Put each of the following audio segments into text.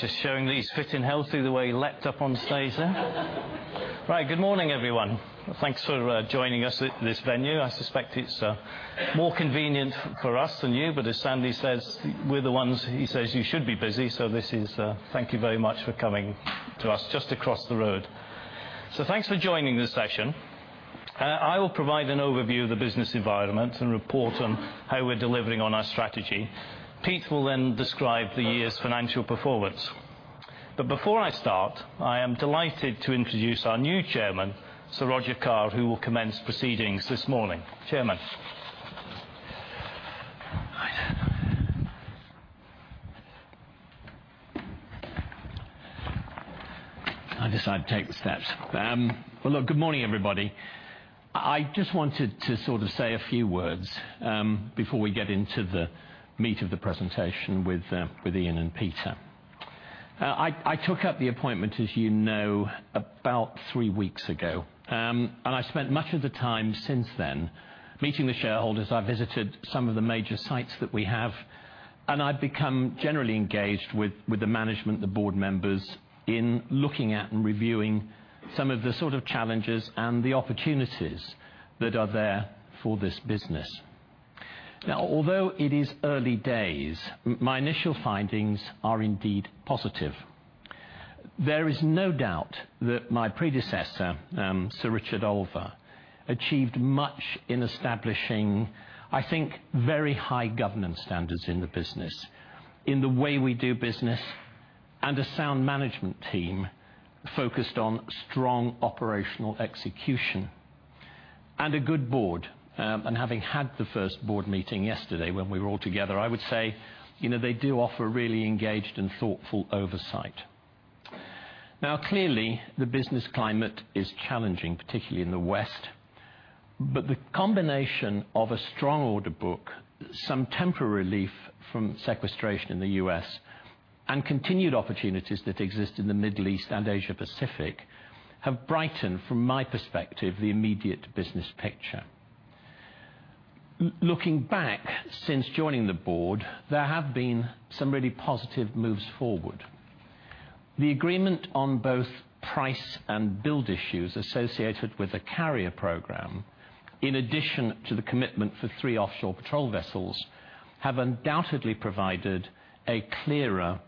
Good morning, everyone. Thanks for joining us at this venue. I suspect it's more convenient for us than you, but as Sandy says, we're the ones, he says, "You should be busy," so thank you very much for coming to us just across the road. Thanks for joining this session. I will provide an overview of the business environment and report on how we're delivering on our strategy. Pete will then describe the year's financial performance. Before I start, I am delighted to introduce our new chairman, Sir Roger Carr, who will commence proceedings this morning. Chairman. I decided to take the steps. Good morning, everybody. I just wanted to sort of say a few words, before we get into the meat of the presentation with Ian and Peter. I took up the appointment, as you know, about three weeks ago, and I've spent much of the time since then meeting the shareholders. I've visited some of the major sites that we have, and I've become generally engaged with the management and the board members in looking at and reviewing some of the sort of challenges and the opportunities that are there for this business. Although it is early days, my initial findings are indeed positive. There is no doubt that my predecessor, Sir Richard Olver, achieved much in establishing, I think, very high governance standards in the business, in the way we do business, and a sound management team focused on strong operational execution and a good board. Having had the first board meeting yesterday when we were all together, I would say they do offer really engaged and thoughtful oversight. Clearly, the business climate is challenging, particularly in the West. The combination of a strong order book, some temporary relief from sequestration in the U.S., and continued opportunities that exist in the Middle East and Asia Pacific, have brightened, from my perspective, the immediate business picture. Looking back, since joining the board, there have been some really positive moves forward. The agreement on both price and build issues associated with a carrier program, in addition to the commitment for three offshore patrol vessels, have undoubtedly provided a clearer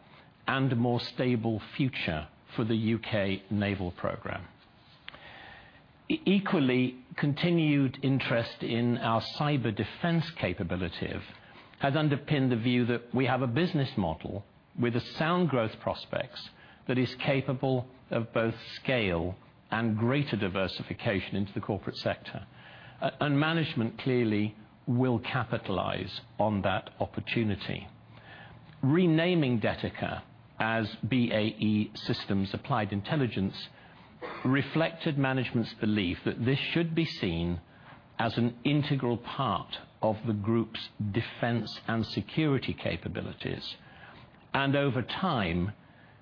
and more stable future for the U.K. Naval program. Equally, continued interest in our cyber defense capability has underpinned the view that we have a business model with sound growth prospects that is capable of both scale and greater diversification into the corporate sector, and management clearly will capitalize on that opportunity. Renaming Detica as BAE Systems Applied Intelligence reflected management's belief that this should be seen as an integral part of the group's defense and security capabilities, and over time,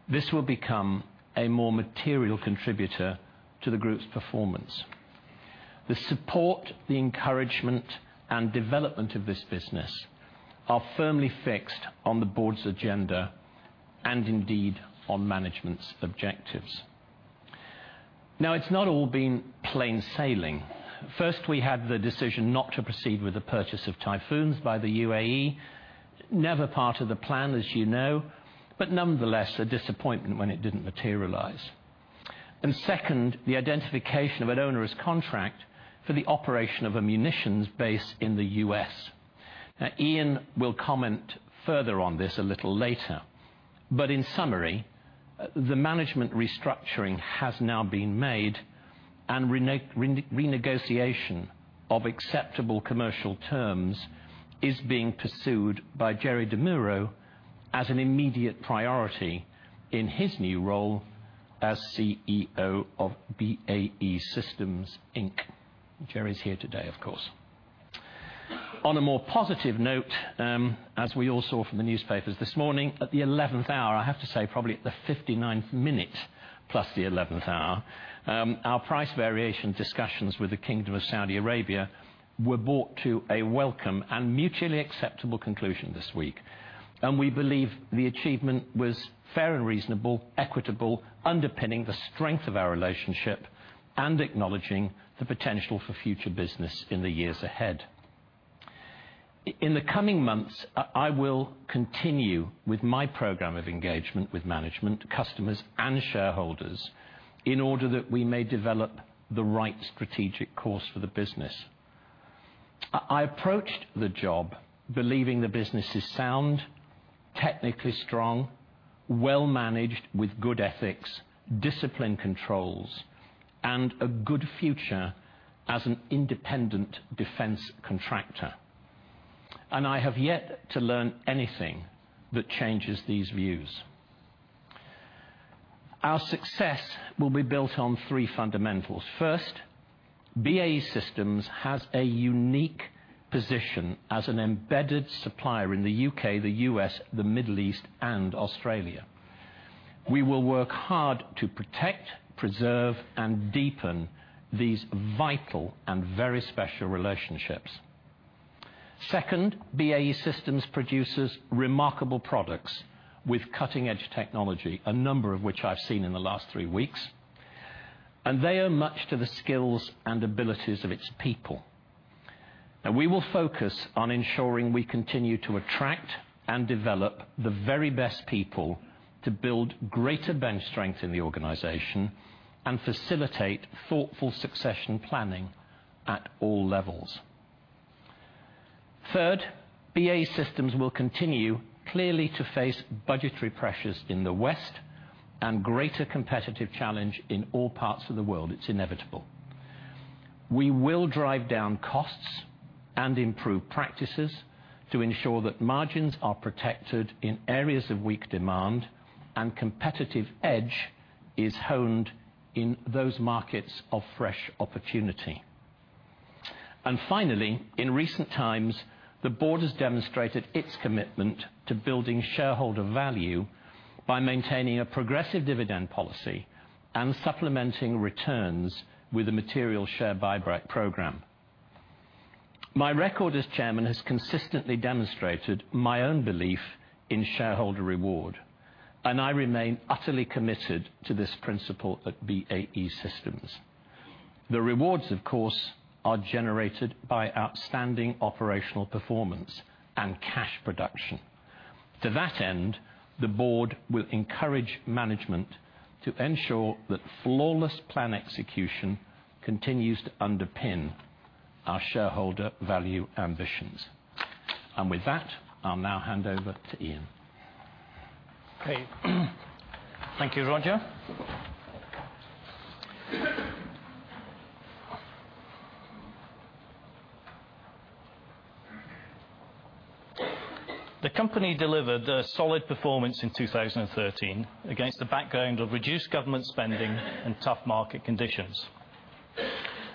this will become a more material contributor to the group's performance. The support, the encouragement, and development of this business are firmly fixed on the board's agenda and indeed, on management's objectives. It's not all been plain sailing. First, we had the decision not to proceed with the purchase of Typhoons by the UAE. Never part of the plan, as you know, but nonetheless, a disappointment when it didn't materialize. Second, the identification of an onerous contract for the operation of a munitions base in the U.S. Ian will comment further on this a little later. In summary, the management restructuring has now been made and renegotiation of acceptable commercial terms is being pursued by Jerry DeMuro as an immediate priority in his new role as CEO of BAE Systems Inc. Jerry's here today, of course. On a more positive note, as we all saw from the newspapers this morning, at the 11th hour, I have to say probably at the 59th minute plus the 11th hour, our price variation discussions with the Kingdom of Saudi Arabia were brought to a welcome and mutually acceptable conclusion this week. We believe the achievement was fair and reasonable, equitable, underpinning the strength of our relationship and acknowledging the potential for future business in the years ahead. In the coming months, I will continue with my program of engagement with management, customers, and shareholders in order that we may develop the right strategic course for the business. I approached the job believing the business is sound, technically strong, well-managed, with good ethics, discipline controls, and a good future as an independent defense contractor. I have yet to learn anything that changes these views. Our success will be built on three fundamentals. First, BAE Systems has a unique position as an embedded supplier in the U.K., the U.S., the Middle East, and Australia. We will work hard to protect, preserve, and deepen these vital and very special relationships. Second, BAE Systems produces remarkable products with cutting-edge technology, a number of which I've seen in the last three weeks. They owe much to the skills and abilities of its people. We will focus on ensuring we continue to attract and develop the very best people to build greater bench strength in the organization and facilitate thoughtful succession planning at all levels. Third, BAE Systems will continue clearly to face budgetary pressures in the West and greater competitive challenge in all parts of the world. It's inevitable. We will drive down costs and improve practices to ensure that margins are protected in areas of weak demand. Competitive edge is honed in those markets of fresh opportunity. Finally, in recent times, the board has demonstrated its commitment to building shareholder value by maintaining a progressive dividend policy and supplementing returns with a material share buyback program. My record as chairman has consistently demonstrated my own belief in shareholder reward. I remain utterly committed to this principle at BAE Systems. The rewards, of course, are generated by outstanding operational performance and cash production. To that end, the board will encourage management to ensure that flawless plan execution continues to underpin our shareholder value ambitions. With that, I'll now hand over to Ian. Okay. Thank you, Roger. The company delivered a solid performance in 2013 against the background of reduced government spending and tough market conditions.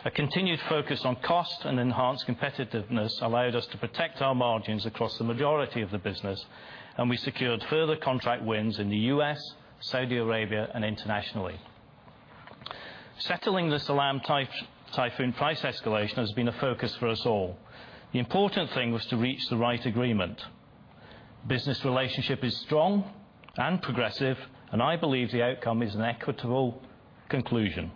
A continued focus on cost and enhanced competitiveness allowed us to protect our margins across the majority of the business, and we secured further contract wins in the U.S., Saudi Arabia, and internationally. Settling the Salam Typhoon price escalation has been a focus for us all. The important thing was to reach the right agreement. Business relationship is strong and progressive, and I believe the outcome is an equitable conclusion.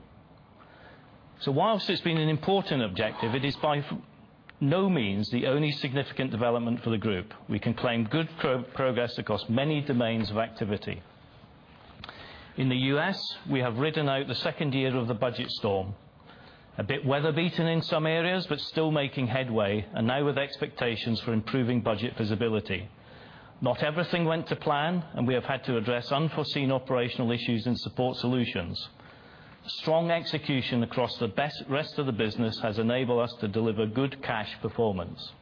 Whilst it's been an important objective, it is by no means the only significant development for the group. We can claim good progress across many domains of activity. In the U.S., we have ridden out the second year of the budget storm, a bit weather-beaten in some areas, but still making headway, and now with expectations for improving budget visibility. Not everything went to plan, and we have had to address unforeseen operational issues and Support Solutions. Strong execution across the rest of the business has enabled us to deliver good cash performance.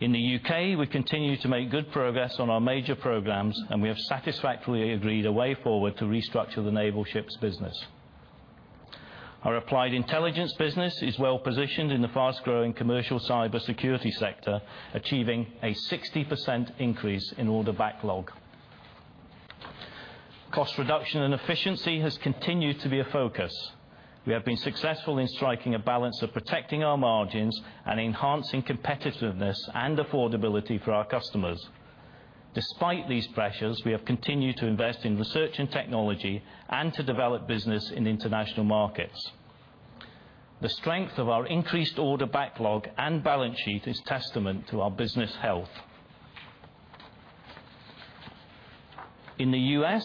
In the U.K., we continue to make good progress on our major programs, and we have satisfactorily agreed a way forward to restructure the naval ships business. Our Applied Intelligence business is well-positioned in the fast-growing commercial cybersecurity sector, achieving a 60% increase in order backlog. Cost reduction and efficiency has continued to be a focus. We have been successful in striking a balance of protecting our margins and enhancing competitiveness and affordability for our customers. Despite these pressures, we have continued to invest in research and technology and to develop business in international markets. The strength of our increased order backlog and balance sheet is testament to our business health. In the U.S.,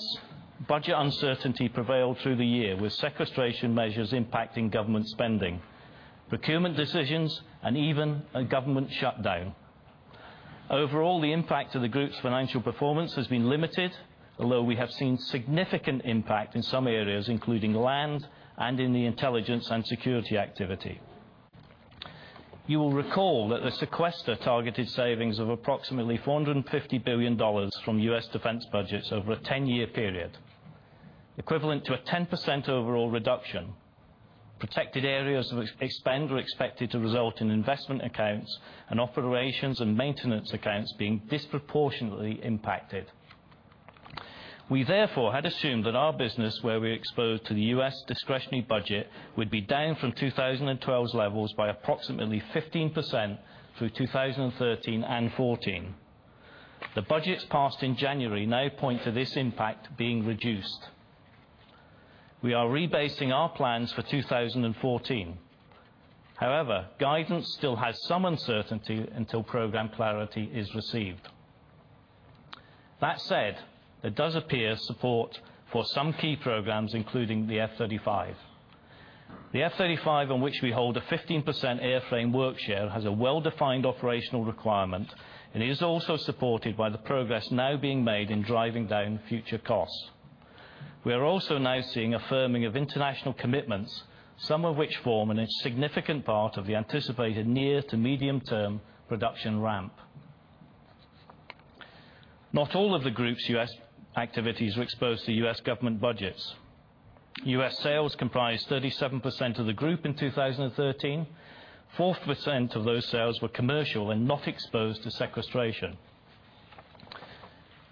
budget uncertainty prevailed through the year, with sequestration measures impacting government spending, procurement decisions, and even a government shutdown. Overall, the impact to the group's financial performance has been limited, although we have seen significant impact in some areas, including Land & Armaments and in the intelligence and security activity. You will recall that the sequester targeted savings of approximately $450 billion from U.S. defense budgets over a 10-year period, equivalent to a 10% overall reduction. Protected areas of spend were expected to result in investment accounts and operations and maintenance accounts being disproportionately impacted. We therefore had assumed that our business, where we're exposed to the U.S. discretionary budget, would be down from 2012's levels by approximately 15% through 2013 and 2014. The budgets passed in January now point to this impact being reduced. We are rebasing our plans for 2014. However, guidance still has some uncertainty until program clarity is received. That said, there does appear support for some key programs, including the F-35. The F-35, on which we hold a 15% airframe work share, has a well-defined operational requirement and is also supported by the progress now being made in driving down future costs. We are also now seeing a firming of international commitments, some of which form a significant part of the anticipated near to medium-term production ramp. Not all of the group's U.S. activities were exposed to U.S. government budgets. U.S. sales comprised 37% of the group in 2013, 4% of those sales were commercial and not exposed to sequestration.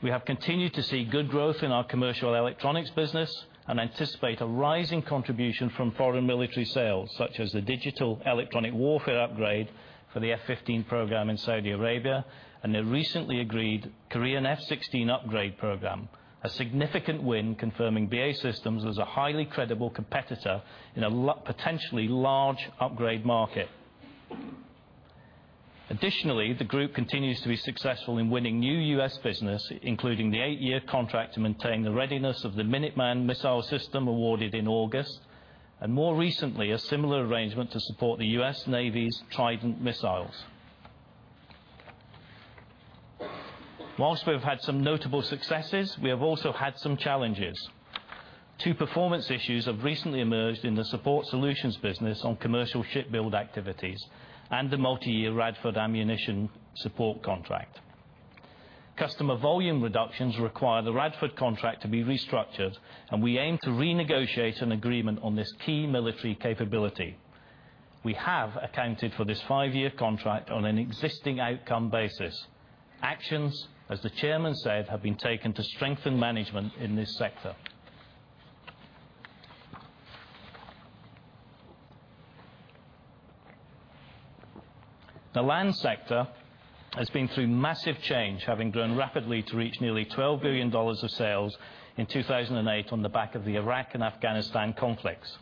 We have continued to see good growth in our commercial electronics business and anticipate a rising contribution from foreign military sales, such as the digital electronic warfare upgrade for the F-15 program in Saudi Arabia, and the recently agreed Korean F-16 upgrade program, a significant win confirming BAE Systems as a highly credible competitor in a potentially large upgrade market. Additionally, the group continues to be successful in winning new U.S. business, including the eight-year contract to maintain the readiness of the Minuteman missile system awarded in August, and more recently, a similar arrangement to support the U.S. Navy's Trident missiles. Whilst we've had some notable successes, we have also had some challenges. Two performance issues have recently emerged in the Support Solutions business on commercial ship build activities and the multi-year Radford ammunition support contract. Customer volume reductions require the Radford contract to be restructured, and we aim to renegotiate an agreement on this key military capability. We have accounted for this five-year contract on an existing outcome basis. Actions, as the chairman said, have been taken to strengthen management in this sector. The land sector has been through massive change, having grown rapidly to reach nearly $12 billion of sales in 2008 on the back of the Iraq and Afghanistan conflicts.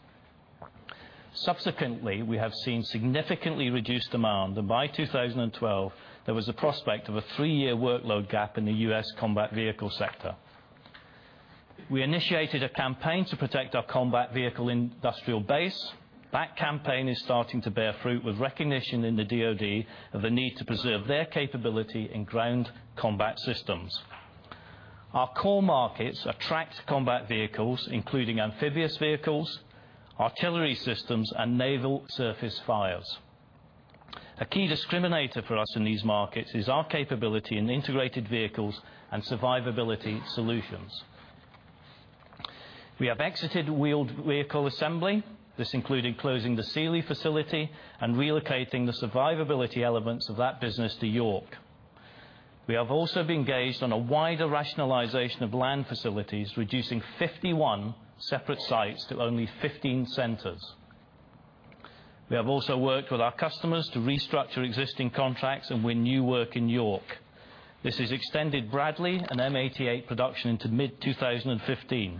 Subsequently, we have seen significantly reduced demand, and by 2012, there was a prospect of a three-year workload gap in the U.S. combat vehicle sector. We initiated a campaign to protect our combat vehicle industrial base. That campaign is starting to bear fruit, with recognition in the DoD of a need to preserve their capability in Ground Combat Systems. Our core markets attract combat vehicles, including amphibious vehicles, artillery systems, and naval surface fires. A key discriminator for us in these markets is our capability in integrated vehicles and survivability solutions. We have exited wheeled vehicle assembly. This included closing the Sealy facility and relocating the survivability elements of that business to York. We have also been engaged on a wider rationalization of land facilities, reducing 51 separate sites to only 15 centers. We have also worked with our customers to restructure existing contracts and win new work in York. This has extended Bradley and M88 production to mid-2015.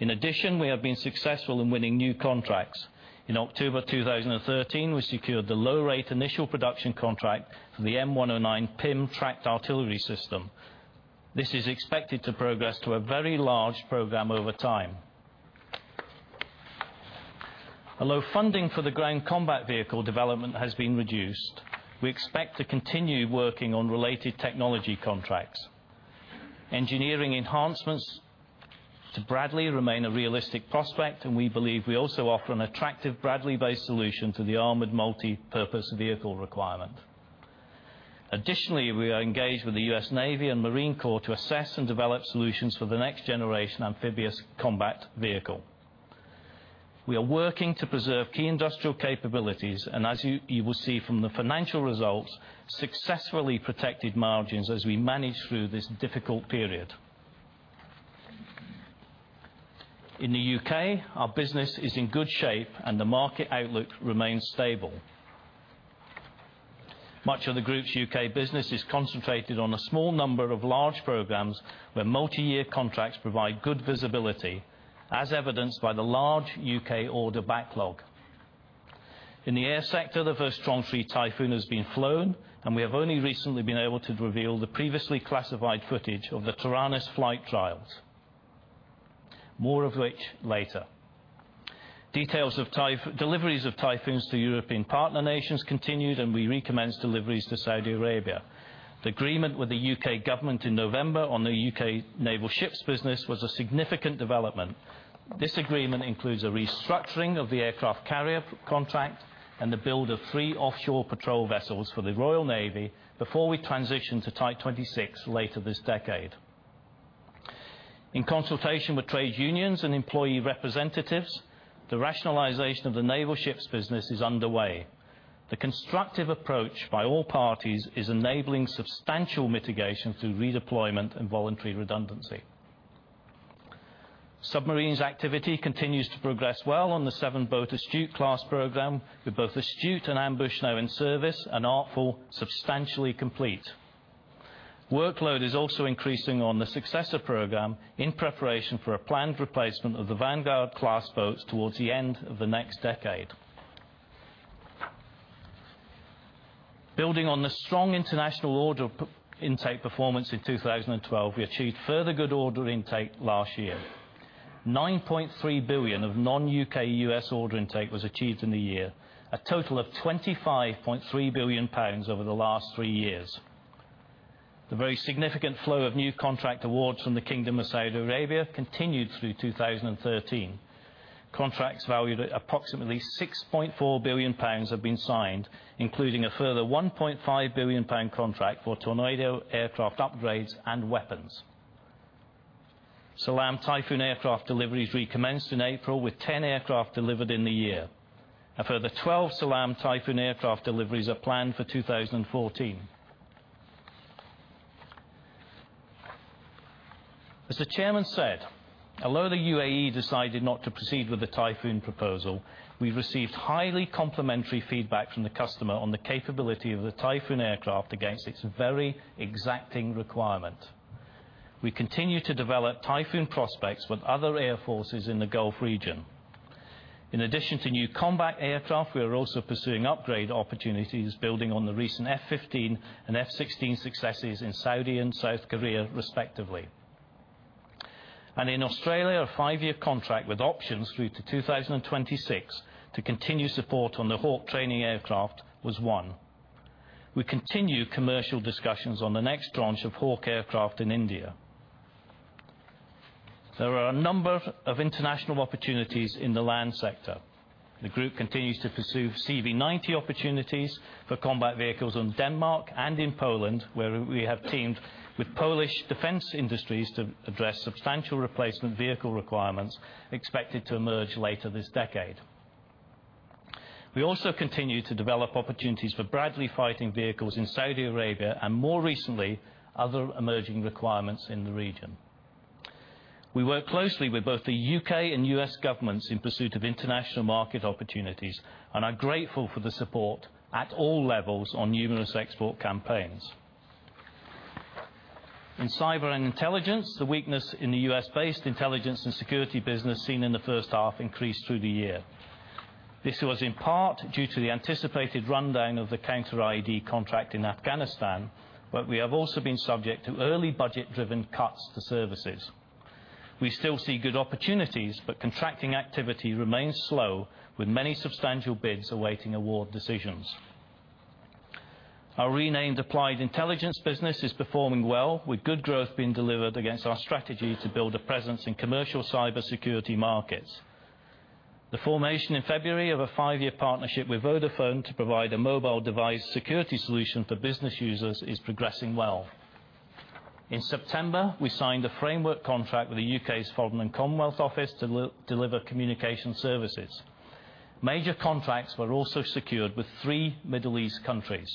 In addition, we have been successful in winning new contracts. In October 2013, we secured the low-rate initial production contract for the M109 PIM tracked artillery system. This is expected to progress to a very large program over time. Although funding for the Ground Combat Vehicle development has been reduced, we expect to continue working on related technology contracts. Engineering enhancements to Bradley remain a realistic prospect, and we believe we also offer an attractive Bradley-based solution to the Armored Multi-Purpose Vehicle requirement. Additionally, we are engaged with the U.S. Navy and Marine Corps to assess and develop solutions for the next-generation amphibious combat vehicle. We are working to preserve key industrial capabilities, and as you will see from the financial results, successfully protected margins as we manage through this difficult period. In the U.K., our business is in good shape and the market outlook remains stable. Much of the group's U.K. business is concentrated on a small number of large programs, where multi-year contracts provide good visibility, as evidenced by the large U.K. order backlog. In the air sector, the first Tranche 3 Typhoon has been flown, and we have only recently been able to reveal the previously classified footage of the Taranis flight trials, more of which later. Details of deliveries of Typhoons to European partner nations continued, and we recommence deliveries to Saudi Arabia. The agreement with the U.K. government in November on the U.K. naval ships business was a significant development. This agreement includes a restructuring of the aircraft carrier contract and the build of three offshore patrol vessels for the Royal Navy before we transition to Type 26 later this decade. In consultation with trade unions and employee representatives, the rationalization of the naval ships business is underway. The constructive approach by all parties is enabling substantial mitigation through redeployment and voluntary redundancy. Submarines activity continues to progress well on the seven-boat Astute-class program, with both Astute and Ambush now in service and Artful substantially complete. Workload is also increasing on the Successor program in preparation for a planned replacement of the Vanguard-class boats towards the end of the next decade. Building on the strong international order intake performance in 2012, we achieved further good order intake last year. 9.3 billion of non-U.K./U.S. order intake was achieved in the year, a total of 25.3 billion pounds over the last three years. The very significant flow of new contract awards from the Kingdom of Saudi Arabia continued through 2013. Contracts valued at approximately 6.4 billion pounds have been signed, including a further 1.5 billion pound contract for Tornado aircraft upgrades and weapons. Salam Typhoon aircraft deliveries recommenced in April with 10 aircraft delivered in the year. A further 12 Salam Typhoon aircraft deliveries are planned for 2014. As the Chairman said, although the UAE decided not to proceed with the Typhoon proposal, we received highly complimentary feedback from the customer on the capability of the Typhoon aircraft against its very exacting requirement. We continue to develop Typhoon prospects with other air forces in the Gulf region. In addition to new combat aircraft, we are also pursuing upgrade opportunities, building on the recent F-15 and F-16 successes in Saudi and South Korea respectively. In Australia, a five-year contract with options through to 2026 to continue support on the Hawk training aircraft was won. We continue commercial discussions on the next Tranche of Hawk aircraft in India. There are a number of international opportunities in the land sector. The Group continues to pursue CV90 opportunities for combat vehicles in Denmark and in Poland, where we have teamed with Polish defense industries to address substantial replacement vehicle requirements expected to emerge later this decade. We also continue to develop opportunities for Bradley fighting vehicles in Saudi Arabia and, more recently, other emerging requirements in the region. We work closely with both the U.K. and U.S. governments in pursuit of international market opportunities and are grateful for the support at all levels on numerous export campaigns. In cyber and intelligence, the weakness in the U.S.-based intelligence and security business seen in the first half increased through the year. This was in part due to the anticipated rundown of the counter-IED contract in Afghanistan, but we have also been subject to early budget-driven cuts to services. We still see good opportunities, contracting activity remains slow, with many substantial bids awaiting award decisions. Our renamed Applied Intelligence business is performing well, with good growth being delivered against our strategy to build a presence in commercial cybersecurity markets. The formation in February of a five-year partnership with Vodafone to provide a mobile device security solution for business users is progressing well. In September, we signed a framework contract with the U.K.'s Foreign and Commonwealth Office to deliver communication services. Major contracts were also secured with three Middle East countries.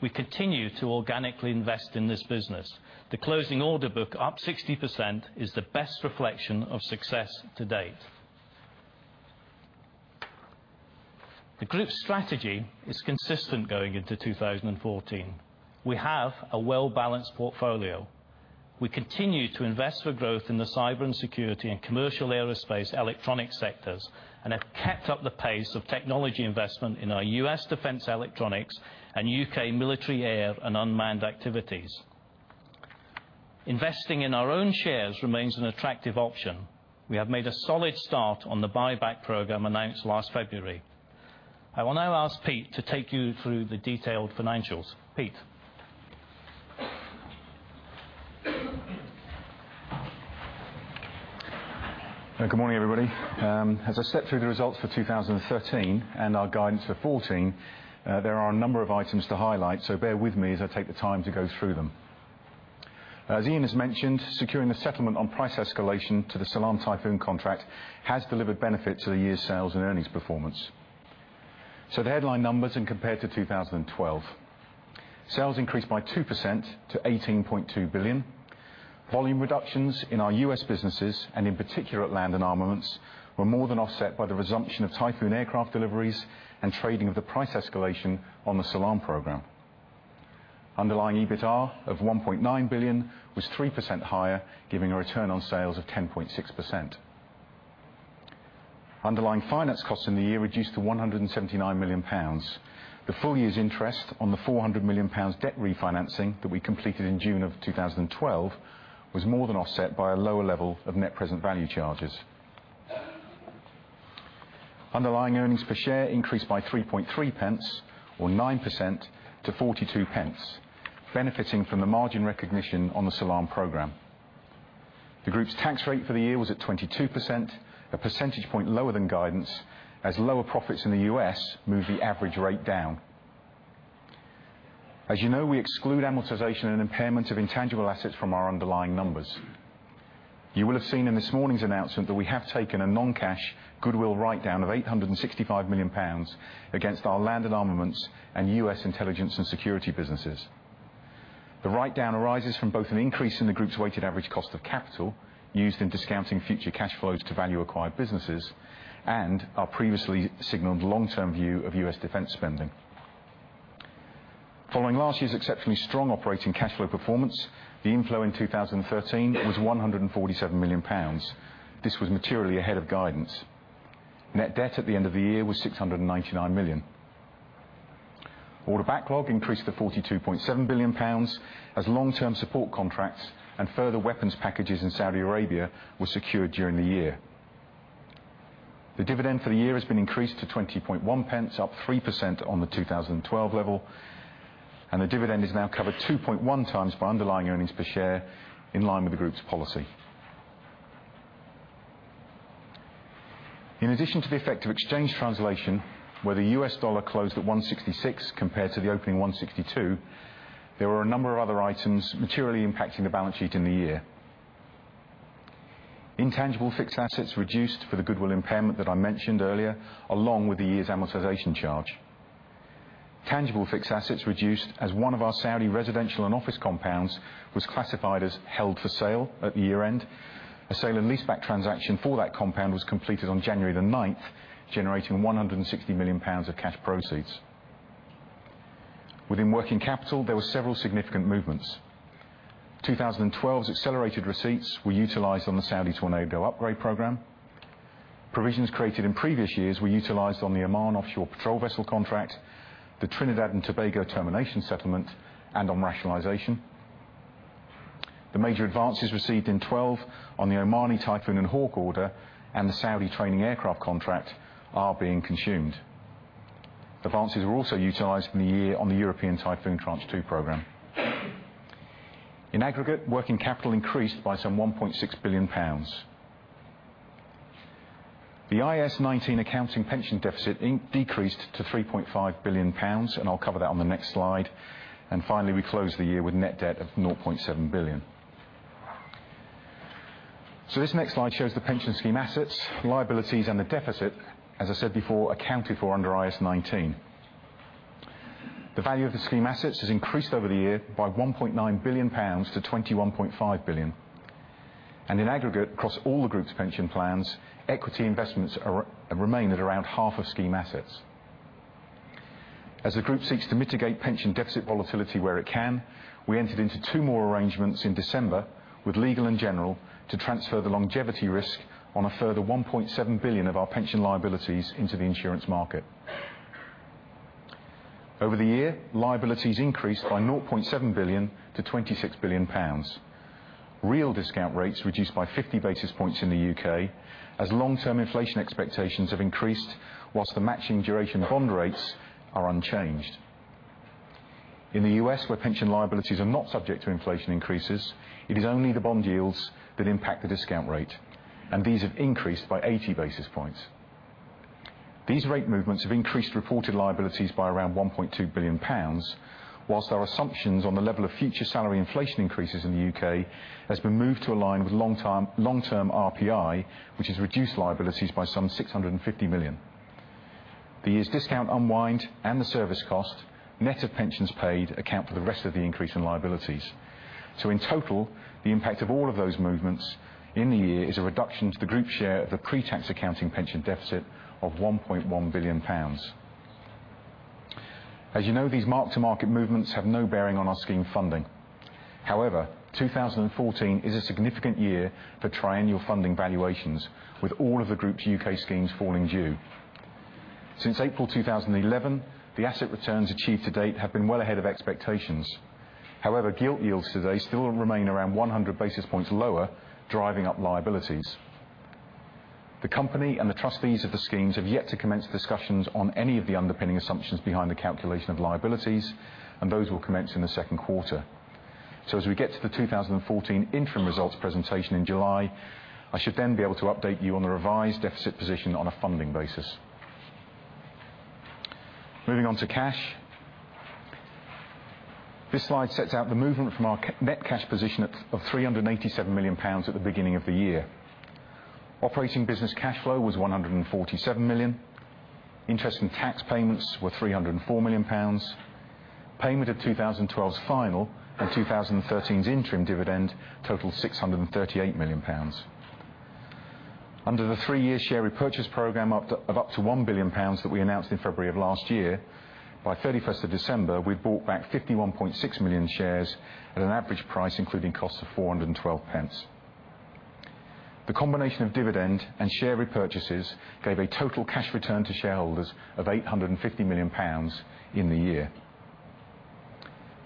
We continue to organically invest in this business. The closing order book, up 60%, is the best reflection of success to date. The group's strategy is consistent going into 2014. We have a well-balanced portfolio. We continue to invest for growth in the cyber and security and commercial aerospace electronic sectors and have kept up the pace of technology investment in our U.S. defense electronics and U.K. military air and unmanned activities. Investing in our own shares remains an attractive option. We have made a solid start on the buyback program announced last February. I will now ask Pete to take you through the detailed financials. Pete? Good morning, everybody. As I step through the results for 2013 and our guidance for 2014, there are a number of items to highlight, bear with me as I take the time to go through them. As Ian has mentioned, securing the settlement on price escalation to the Salam Typhoon contract has delivered benefit to the year's sales and earnings performance. The headline numbers and compared to 2012. Sales increased by 2% to 18.2 billion. Volume reductions in our U.S. businesses, and in particular, at Land & Armaments, were more than offset by the resumption of Typhoon aircraft deliveries and trading of the price escalation on the Salam program. Underlying EBITA of 1.9 billion was 3% higher, giving a return on sales of 10.6%. Underlying finance costs in the year reduced to £179 million. The full year's interest on the £400 million debt refinancing that we completed in June of 2012 was more than offset by a lower level of net present value charges. Underlying earnings per share increased by 0.033 or 9% to 0.42, benefiting from the margin recognition on the Salam program. The group's tax rate for the year was at 22%, a percentage point lower than guidance, as lower profits in the U.S. moved the average rate down. As you know, we exclude amortization and impairment of intangible assets from our underlying numbers. You will have seen in this morning's announcement that we have taken a non-cash goodwill writedown of £865 million against our Land & Armaments and U.S. intelligence and security businesses. The write-down arises from both an increase in the group's weighted average cost of capital, used in discounting future cash flows to value acquired businesses, and our previously signaled long-term view of U.S. defense spending. Following last year's exceptionally strong operating cash flow performance, the inflow in 2013 was 147 million pounds. This was materially ahead of guidance. Net debt at the end of the year was 699 million. Order backlog increased to 42.7 billion pounds as long-term support contracts and further weapons packages in Saudi Arabia were secured during the year. The dividend for the year has been increased to 0.201, up 3% on the 2012 level, and the dividend is now covered 2.1 times by underlying earnings per share in line with the group's policy. In addition to the effect of exchange translation, where the U.S. dollar closed at 166 compared to the opening 162, there were a number of other items materially impacting the balance sheet in the year. Intangible fixed assets reduced for the goodwill impairment that I mentioned earlier, along with the year's amortization charge. Tangible fixed assets reduced as one of our Saudi residential and office compounds was classified as held for sale at the year-end. A sale and leaseback transaction for that compound was completed on January 9th, generating 160 million pounds of cash proceeds. Within working capital, there were several significant movements. 2012's accelerated receipts were utilized on the Saudi Tornado upgrade program. Provisions created in previous years were utilized on the Oman Offshore Patrol Vessel contract, the Trinidad and Tobago termination settlement, and on rationalization. The major advances received in 2012 on the Omani Typhoon and Hawk order and the Saudi training aircraft contract are being consumed. Advances were also utilized in the year on the European Typhoon Tranche 2 program. In aggregate, working capital increased by some 1.6 billion pounds. The IAS 19 accounting pension deficit decreased to 3.5 billion pounds, and I'll cover that on the next slide. Finally, we closed the year with net debt of 0.7 billion. This next slide shows the pension scheme assets, liabilities, and the deficit, as I said before, accounted for under IAS 19. The value of the scheme assets has increased over the year by 1.9 billion pounds to 21.5 billion. In aggregate, across all the group's pension plans, equity investments remain at around half of scheme assets. As the group seeks to mitigate pension deficit volatility where it can, we entered into two more arrangements in December with Legal & General to transfer the longevity risk on a further 1.7 billion of our pension liabilities into the insurance market. Over the year, liabilities increased by 0.7 billion to 25 billion pounds. Real discount rates reduced by 50 basis points in the U.K. as long-term inflation expectations have increased, whilst the matching duration bond rates are unchanged. In the U.S., where pension liabilities are not subject to inflation increases, it is only the bond yields that impact the discount rate, and these have increased by 80 basis points. These rate movements have increased reported liabilities by around 1.2 billion pounds, whilst our assumptions on the level of future salary inflation increases in the U.K. has been moved to align with long-term RPI, which has reduced liabilities by some 650 million. The year's discount unwind and the service cost, net of pensions paid, account for the rest of the increase in liabilities. In total, the impact of all of those movements in the year is a reduction to the group share of the pre-tax accounting pension deficit of 1.1 billion pounds. As you know, these mark-to-market movements have no bearing on our scheme funding. However, 2014 is a significant year for triennial funding valuations, with all of the group's U.K. schemes falling due. Since April 2011, the asset returns achieved to date have been well ahead of expectations. Gilt yields today still remain around 100 basis points lower, driving up liabilities. The company and the trustees of the schemes have yet to commence discussions on any of the underpinning assumptions behind the calculation of liabilities, and those will commence in the second quarter. As we get to the 2014 interim results presentation in July, I should then be able to update you on the revised deficit position on a funding basis. Moving on to cash. This slide sets out the movement from our net cash position of 387 million pounds at the beginning of the year. Operating business cash flow was 147 million. Interest and tax payments were 304 million pounds. Payment of 2012's final and 2013's interim dividend totaled 638 million pounds. Under the three-year share repurchase program of up to 1 billion pounds that we announced in February of last year, by 31st of December, we bought back 51.6 million shares at an average price, including costs, of 4.12. The combination of dividend and share repurchases gave a total cash return to shareholders of 850 million pounds in the year.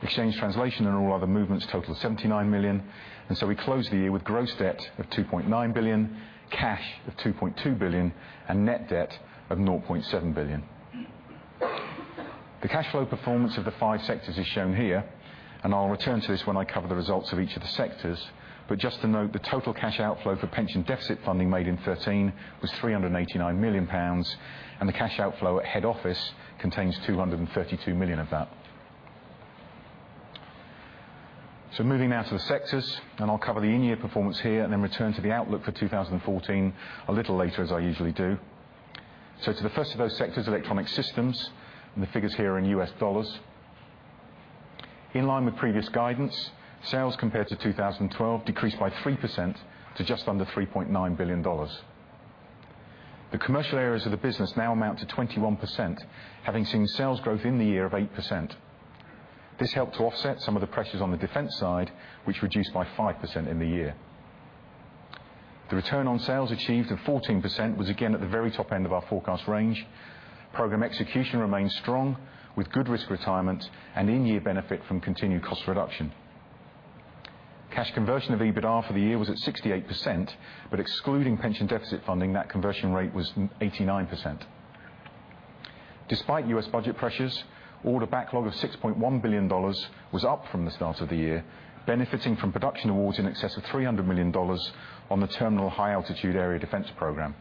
Exchange translation and all other movements totaled 79 million. We closed the year with gross debt of 2.9 billion, cash of 2.2 billion, and net debt of 0.7 billion. The cash flow performance of the five sectors is shown here, and I'll return to this when I cover the results of each of the sectors. Just to note, the total cash outflow for pension deficit funding made in 2013 was 389 million pounds, and the cash outflow at head office contains 232 million of that. Moving now to the sectors, and I'll cover the in-year performance here and then return to the outlook for 2014 a little later, as I usually do. To the first of those sectors, Electronic Systems, and the figures here are in U.S. dollars. In line with previous guidance, sales compared to 2012 decreased by 3% to just under $3.9 billion. The commercial areas of the business now amount to 21%, having seen sales growth in the year of 8%. This helped to offset some of the pressures on the defense side, which reduced by 5% in the year. The return on sales achieved of 14% was again at the very top end of our forecast range. Program execution remained strong with good risk retirement and in-year benefit from continued cost reduction. Cash conversion of EBITDA for the year was at 68%. Excluding pension deficit funding, that conversion rate was 89%. Despite U.S. budget pressures, order backlog of $6.1 billion was up from the start of the year, benefiting from production awards in excess of $300 million on the Terminal High Altitude Area Defense program.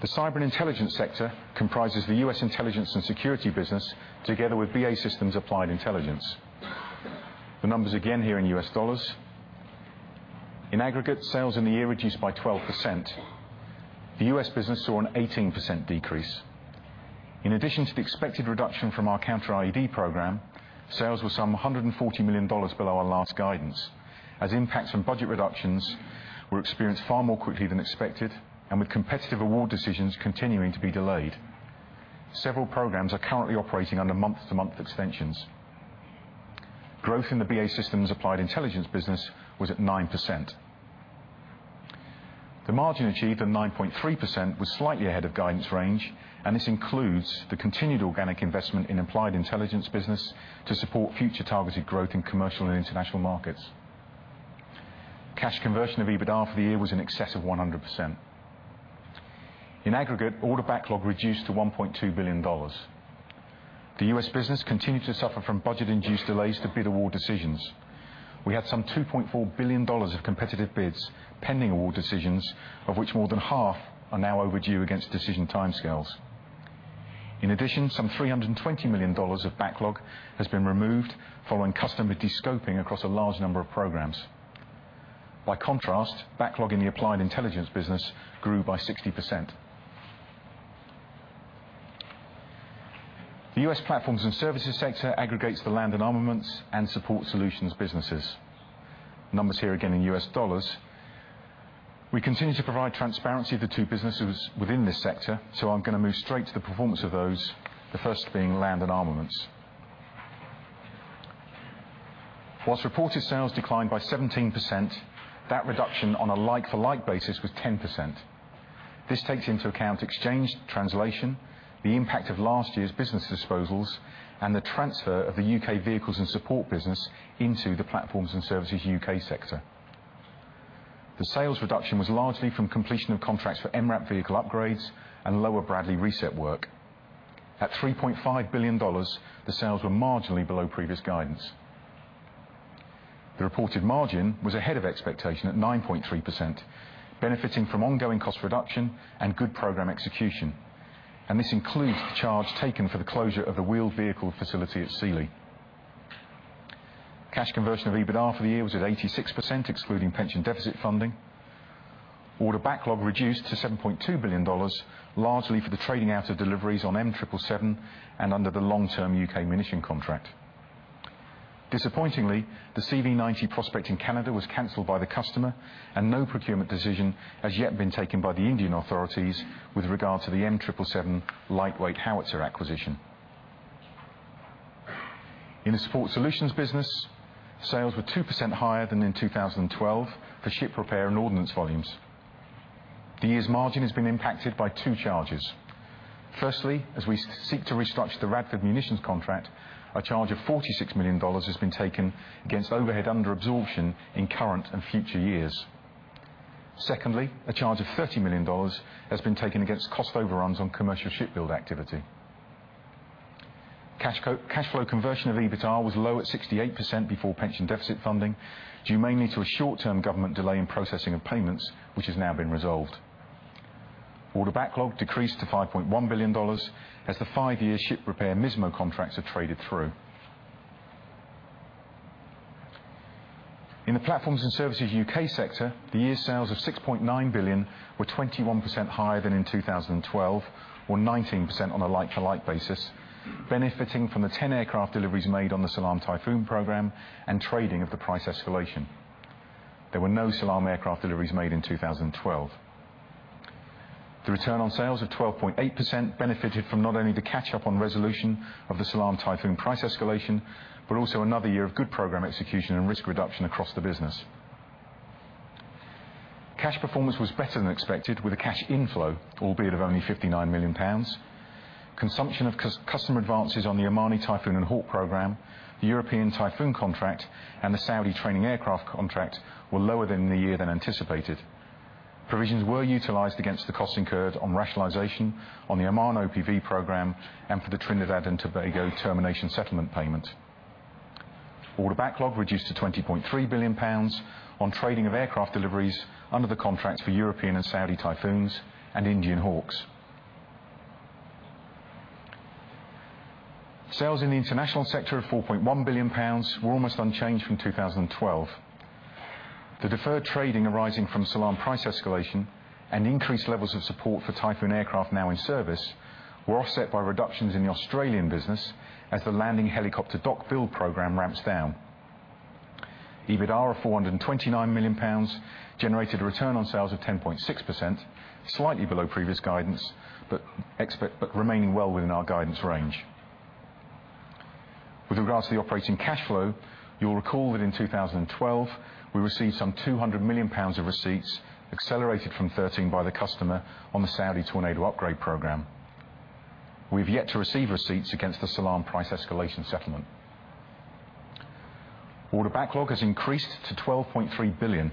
The cyber and intelligence sector comprises the U.S. intelligence and security business, together with BAE Systems Applied Intelligence. The numbers again here in U.S. dollars. In aggregate, sales in the year reduced by 12%. The U.S. business saw an 18% decrease. In addition to the expected reduction from our Counter-IED program, sales were some $140 million below our last guidance, as impacts from budget reductions were experienced far more quickly than expected, and with competitive award decisions continuing to be delayed. Several programs are currently operating under month-to-month extensions. Growth in the BAE Systems Applied Intelligence business was at 9%. The margin achieved of 9.3% was slightly ahead of guidance range, and this includes the continued organic investment in Applied Intelligence business to support future targeted growth in commercial and international markets. Cash conversion of EBITDA for the year was in excess of 100%. In aggregate, order backlog reduced to $1.2 billion. The U.S. business continued to suffer from budget-induced delays to bid award decisions. We had some $2.4 billion of competitive bids pending award decisions, of which more than half are now overdue against decision timescales. In addition, some $320 million of backlog has been removed following customer de-scoping across a large number of programs. Backlog in the Applied Intelligence business grew by 60%. The U.S. Platforms & Services sector aggregates the Land & Armaments and Support Solutions businesses. Numbers here again in U.S. dollars. We continue to provide transparency of the two businesses within this sector. I'm going to move straight to the performance of those, the first being Land & Armaments. Whilst reported sales declined by 17%, that reduction on a like-for-like basis was 10%. This takes into account exchange translation, the impact of last year's business disposals, and the transfer of the U.K. vehicles and support business into the Platforms & Services UK sector. The sales reduction was largely from completion of contracts for MRAP vehicle upgrades and lower Bradley reset work. At $3.5 billion, the sales were marginally below previous guidance. The reported margin was ahead of expectation at 9.3%, benefiting from ongoing cost reduction and good program execution. This includes the charge taken for the closure of the wheeled vehicle facility at Sealy. Cash conversion of EBITDA for the year was at 86%, excluding pension deficit funding. Order backlog reduced to $7.2 billion, largely for the trading out of deliveries on M777 and under the long-term U.K. munition contract. Disappointingly, the CV90 prospect in Canada was canceled by the customer, and no procurement decision has yet been taken by the Indian authorities with regard to the M777 lightweight howitzer acquisition. In the Support Solutions business, sales were 2% higher than in 2012 for ship repair and ordnance volumes. The year's margin has been impacted by two charges. Firstly, as we seek to restructure the Radford Munitions contract, a charge of $46 million has been taken against overhead under-absorption in current and future years. Secondly, a charge of $30 million has been taken against cost overruns on commercial ship build activity. Cash flow conversion of EBITDA was low at 68% before pension deficit funding, due mainly to a short-term government delay in processing of payments, which has now been resolved. Order backlog decreased to $5.1 billion as the five-year ship repair MSMO contracts are traded through. In the Platforms & Services UK sector, the year's sales of 6.9 billion were 21% higher than in 2012 or 19% on a like-to-like basis, benefiting from the 10 aircraft deliveries made on the Salam Typhoon program and trading of the price escalation. There were no Salam aircraft deliveries made in 2012. The return on sales of 12.8% benefited from not only the catch-up on resolution of the Salam Typhoon price escalation, but also another year of good program execution and risk reduction across the business. Cash performance was better than expected with a cash inflow, albeit of only 59 million pounds. Consumption of customer advances on the Omani Typhoon and Hawk program, the European Typhoon contract, and the Saudi training aircraft contract were lower in the year than anticipated. Provisions were utilized against the costs incurred on rationalization on the Oman OPV program and for the Trinidad and Tobago termination settlement payment. Order backlog reduced to 20.3 billion pounds on trading of aircraft deliveries under the contracts for European and Saudi Typhoons and Indian Hawks. Sales in the International sector of 4.1 billion pounds were almost unchanged from 2012. The deferred trading arising from Salam price escalation and increased levels of support for Typhoon aircraft now in service were offset by reductions in the Australian business as the landing helicopter dock build program ramps down. EBITDA of 429 million pounds generated a return on sales of 10.6%, slightly below previous guidance, but remaining well within our guidance range. With regards to the operating cash flow, you'll recall that in 2012, we received some 200 million pounds of receipts, accelerated from 2013 by the customer on the Saudi Tornado upgrade program. We've yet to receive receipts against the Salam price escalation settlement. Order backlog has increased to 12.3 billion,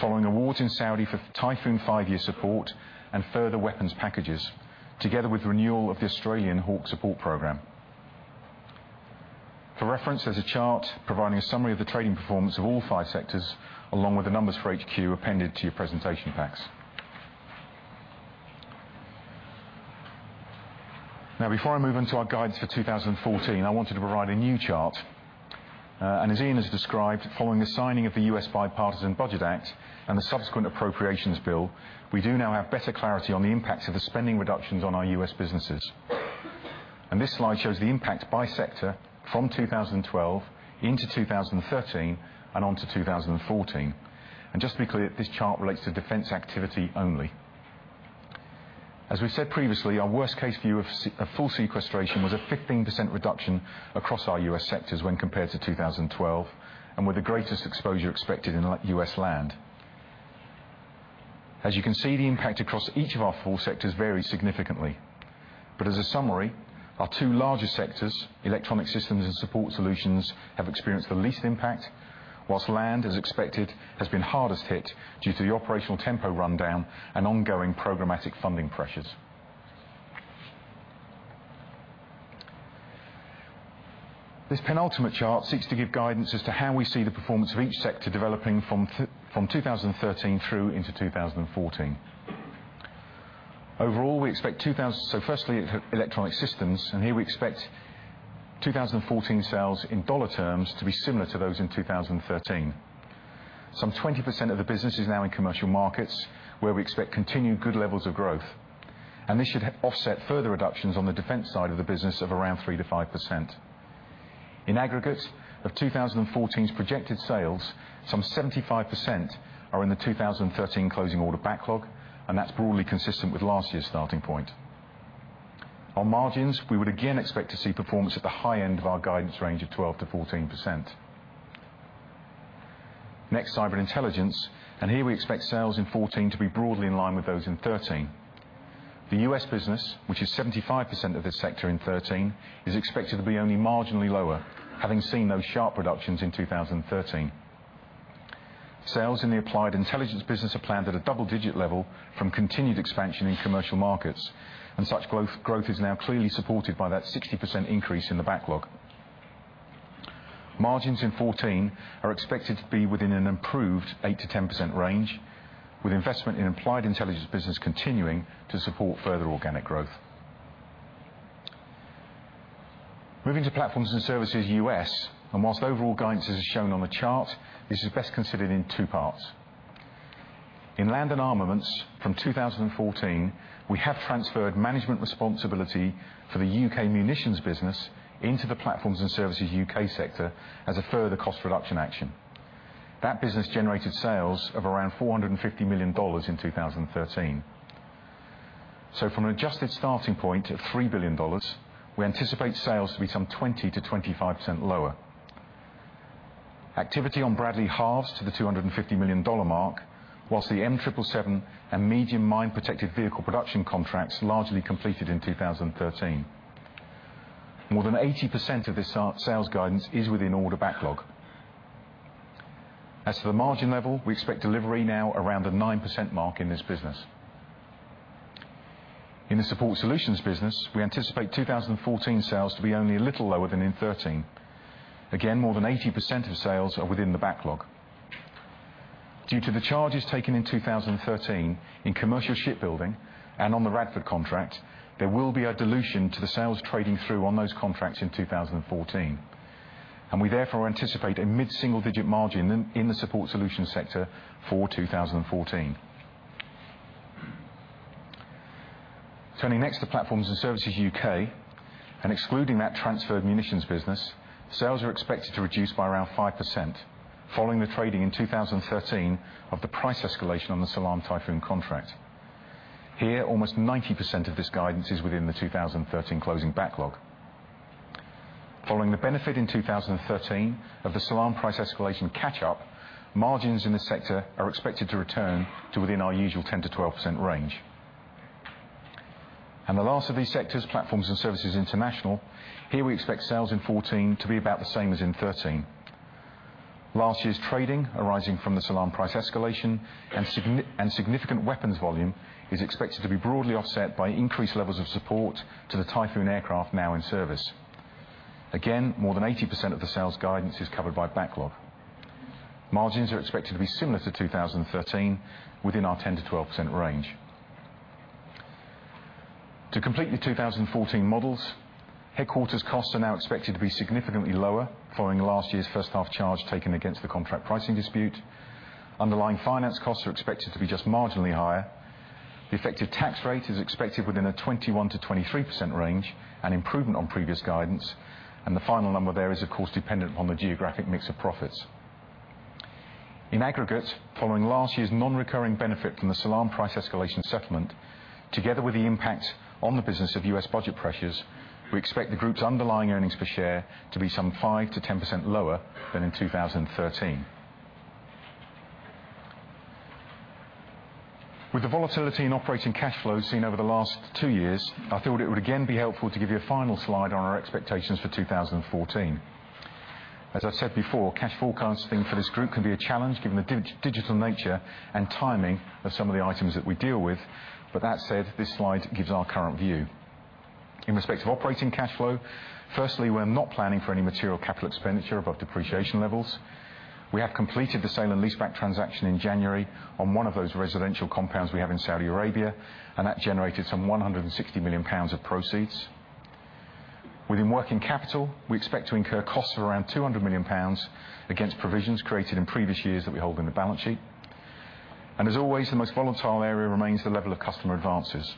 following awards in Saudi for Typhoon five-year support and further weapons packages, together with renewal of the Australian Hawk Support Program. For reference, there's a chart providing a summary of the trading performance of all five sectors, along with the numbers for HQ appended to your presentation packs. Before I move into our guidance for 2014, I wanted to provide a new chart. As Ian has described, following the signing of the U.S. Bipartisan Budget Act and the subsequent appropriations bill, we do now have better clarity on the impacts of the spending reductions on our U.S. businesses. This slide shows the impact by sector from 2012 into 2013 and onto 2014. Just to be clear, this chart relates to defense activity only. As we said previously, our worst-case view of full sequestration was a 15% reduction across our U.S. sectors when compared to 2012, and with the greatest exposure expected in U.S. Land. As you can see, the impact across each of our four sectors varies significantly. As a summary, our two larger sectors, Electronic Systems and Support Solutions, have experienced the least impact, whilst Land, as expected, has been hardest hit due to the operational tempo rundown and ongoing programmatic funding pressures. This penultimate chart seeks to give guidance as to how we see the performance of each sector developing from 2013 through into 2014. Firstly, Electronic Systems, here we expect 2014 sales in dollar terms to be similar to those in 2013. Some 20% of the business is now in commercial markets, where we expect continued good levels of growth. This should offset further reductions on the defense side of the business of around 3%-5%. In aggregate, of 2014's projected sales, some 75% are in the 2013 closing order backlog, and that is broadly consistent with last year's starting point. On margins, we would again expect to see performance at the high end of our guidance range of 12%-14%. Next, Cyber Intelligence, here we expect sales in 2014 to be broadly in line with those in 2013. The U.S. business, which is 75% of this sector in 2013, is expected to be only marginally lower, having seen those sharp reductions in 2013. Sales in the Applied Intelligence business are planned at a double-digit level from continued expansion in commercial markets, and such growth is now clearly supported by that 60% increase in the backlog. Margins in 2014 are expected to be within an improved 8%-10% range, with investment in Applied Intelligence business continuing to support further organic growth. Moving to Platforms & Services U.S., whilst overall guidance is as shown on the chart, this is best considered in two parts. In Land & Armaments, from 2014, we have transferred management responsibility for the U.K. munitions business into the Platforms & Services UK sector as a further cost reduction action. That business generated sales of around $450 million in 2013. From an adjusted starting point of $3 billion, we anticipate sales to be some 20%-25% lower. Activity on Bradley halves to the $250 million mark, whilst the M777 and Medium Mine Protected Vehicle production contracts largely completed in 2013. More than 80% of this sales guidance is within order backlog. As to the margin level, we expect delivery now around the 9% mark in this business. In the Support Solutions business, we anticipate 2014 sales to be only a little lower than in 2013. Again, more than 80% of sales are within the backlog. Due to the charges taken in 2013 in commercial shipbuilding and on the Radford contract, there will be a dilution to the sales trading through on those contracts in 2014. We therefore anticipate a mid-single-digit margin in the Support Solutions sector for 2014. Turning next to Platforms & Services UK, excluding that transferred munitions business, sales are expected to reduce by around 5%, following the trading in 2013 of the price escalation on the Salam Typhoon contract. Here, almost 90% of this guidance is within the 2013 closing backlog. Following the benefit in 2013 of the Salam price escalation catch-up, margins in this sector are expected to return to within our usual 10%-12% range. The last of these sectors, Platforms & Services International, here we expect sales in 2014 to be about the same as in 2013. Last year's trading, arising from the Salam price escalation and significant weapons volume, is expected to be broadly offset by increased levels of support to the Typhoon aircraft now in service. Again, more than 80% of the sales guidance is covered by backlog. Margins are expected to be similar to 2013, within our 10%-12% range. To complete the 2014 models, headquarters costs are now expected to be significantly lower following last year's first-half charge taken against the contract pricing dispute. Underlying finance costs are expected to be just marginally higher. The effective tax rate is expected within a 21%-23% range, an improvement on previous guidance, and the final number there is of course dependent on the geographic mix of profits. In aggregate, following last year's non-recurring benefit from the Salam price escalation settlement, together with the impact on the business of U.S. budget pressures, we expect the group's underlying earnings per share to be some 5%-10% lower than in 2013. With the volatility in operating cash flow seen over the last two years, I thought it would again be helpful to give you a final slide on our expectations for 2014. As I said before, cash forecasting for this group can be a challenge, given the digital nature and timing of some of the items that we deal with. That said, this slide gives our current view. In respect of operating cash flow, firstly, we are not planning for any material capital expenditure above depreciation levels. We have completed the sale and leaseback transaction in January on one of those residential compounds we have in Saudi Arabia, and that generated some 160 million pounds of proceeds. Within working capital, we expect to incur costs of around 200 million pounds against provisions created in previous years that we hold in the balance sheet. As always, the most volatile area remains the level of customer advances.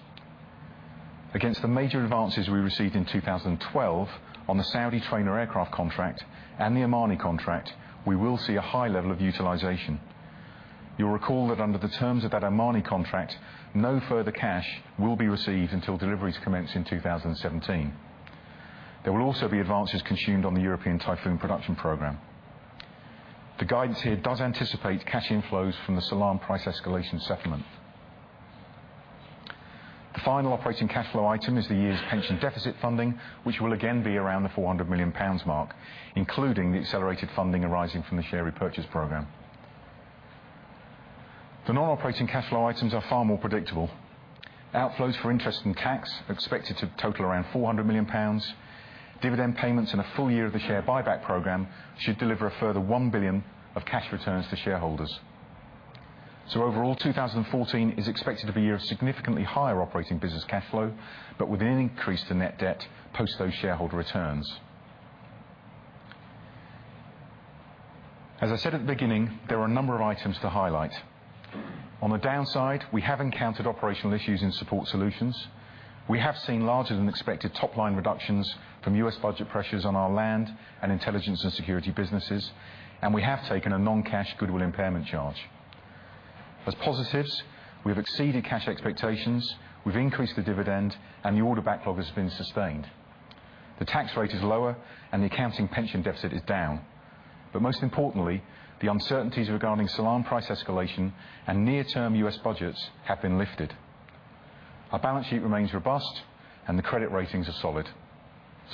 Against the major advances we received in 2012 on the Saudi trainer aircraft contract and the Omani contract, we will see a high level of utilization. You will recall that under the terms of that Omani contract, no further cash will be received until deliveries commence in 2017. There will also be advances consumed on the European Typhoon production program. The guidance here does anticipate cash inflows from the Salam price escalation settlement. The final operating cash flow item is the year's pension deficit funding, which will again be around the 400 million pounds mark, including the accelerated funding arising from the share repurchase program. The non-operating cash flow items are far more predictable. Outflows for interest and tax are expected to total around 400 million pounds. Dividend payments and a full year of the share buyback program should deliver a further 1 billion of cash returns to shareholders. Overall, 2014 is expected to be a year of significantly higher operating business cash flow, but with an increase to net debt post those shareholder returns. As I said at the beginning, there are a number of items to highlight. On the downside, we have encountered operational issues in Support Solutions. We have seen larger than expected top-line reductions from U.S. budget pressures on our Land & Armaments and Applied Intelligence businesses, and we have taken a non-cash goodwill impairment charge. As positives, we have exceeded cash expectations, we have increased the dividend, and the order backlog has been sustained. The tax rate is lower, and the accounting pension deficit is down. Most importantly, the uncertainties regarding Salam price escalation and near-term U.S. budgets have been lifted. Our balance sheet remains robust, and the credit ratings are solid.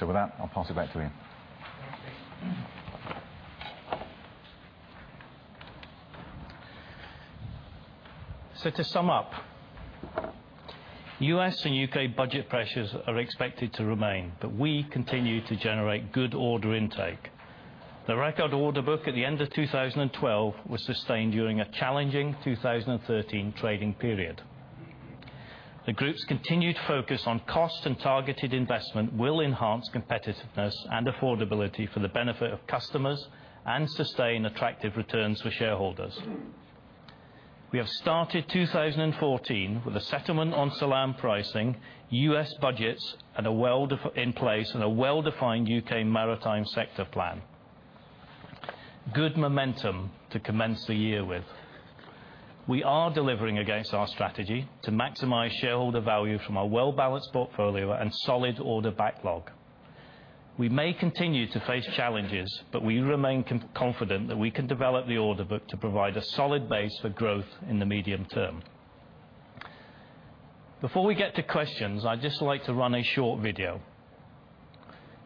With that, I'll pass it back to Ian. To sum up, U.S. and U.K. budget pressures are expected to remain, but we continue to generate good order intake. The record order book at the end of 2012 was sustained during a challenging 2013 trading period. The group's continued focus on cost and targeted investment will enhance competitiveness and affordability for the benefit of customers and sustain attractive returns for shareholders. We have started 2014 with a settlement on Salam pricing, U.S. budgets in place, and a well-defined U.K. maritime sector plan. Good momentum to commence the year with. We are delivering against our strategy to maximize shareholder value from our well-balanced portfolio and solid order backlog. We may continue to face challenges, but we remain confident that we can develop the order book to provide a solid base for growth in the medium term. Before we get to questions, I'd just like to run a short video.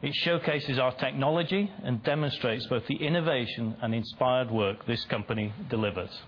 It showcases our technology and demonstrates both the innovation and inspired work this company delivers.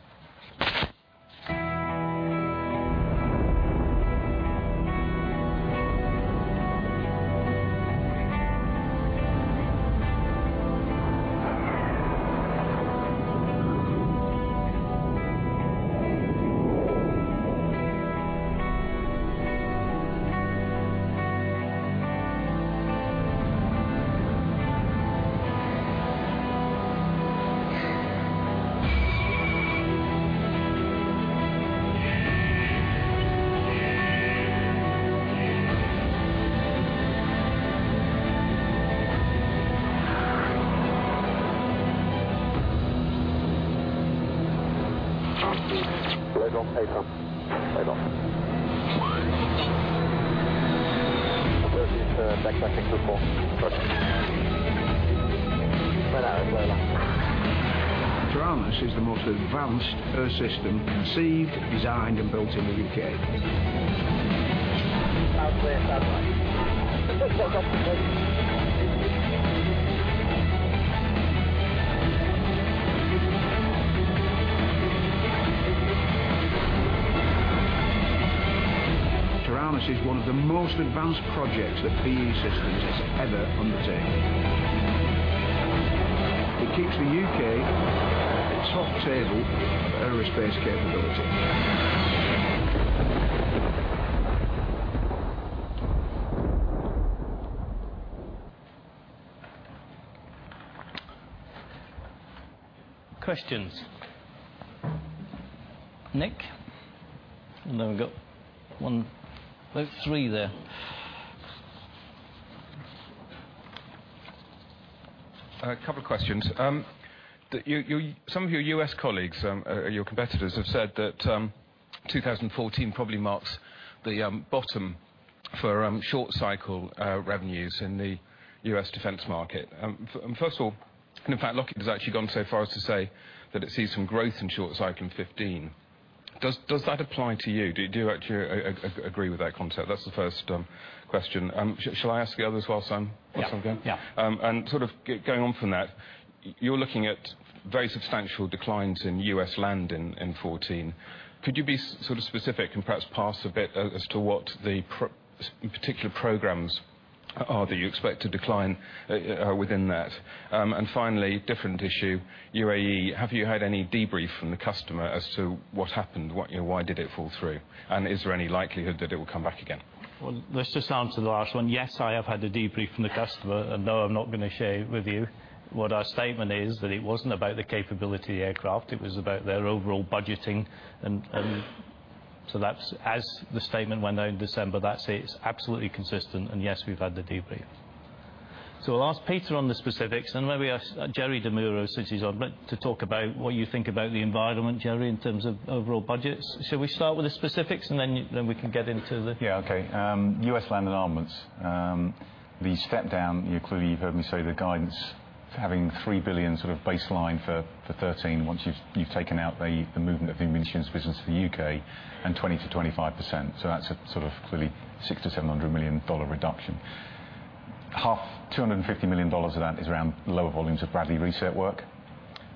Taranis is the most advanced air system conceived, designed, and built in the U.K. Taranis is one of the most advanced projects that BAE Systems has ever undertaken. It keeps the U.K. at the top table of aerospace capability. Questions. Nick, then we've got one, about three there. A couple of questions. Some of your U.S. colleagues, your competitors, have said that 2014 probably marks the bottom For short-cycle revenues in the U.S. defense market. First of all, in fact, Lockheed has actually gone so far as to say that it sees some growth in short cycle 2015. Does that apply to you? Do you actually agree with that concept? That's the first question. Shall I ask the others whilst I'm Yeah going? Yeah. Sort of going on from that, you're looking at very substantial declines in U.S. land in 2014. Could you be specific and perhaps pass a bit as to what the particular programs are that you expect to decline within that? Finally, different issue, UAE. Have you had any debrief from the customer as to what happened? Why did it fall through, and is there any likelihood that it will come back again? Well, let's just answer the last one. Yes, I have had a debrief from the customer, and no, I am not going to share it with you. What our statement is, that it was not about the capability of the aircraft, it was about their overall budgeting. That's as the statement went out in December. That's it. It is absolutely consistent, and yes, we have had the debrief. I will ask Peter on the specifics, and maybe ask Jerry DeMuro since he is on, but to talk about what you think about the environment, Jerry, in terms of overall budgets. Should we start with the specifics and then we can get into the- Yeah. Okay. U.S. Land & Armaments. The step-down, clearly, you have heard me say the guidance for having $3 billion sort of baseline for 2013 once you have taken out the movement of the maintenance business to the U.K. and 20%-25%. That's a sort of clearly $600 million-$700 million reduction. Half, $250 million of that, is around lower volumes of Bradley reset work.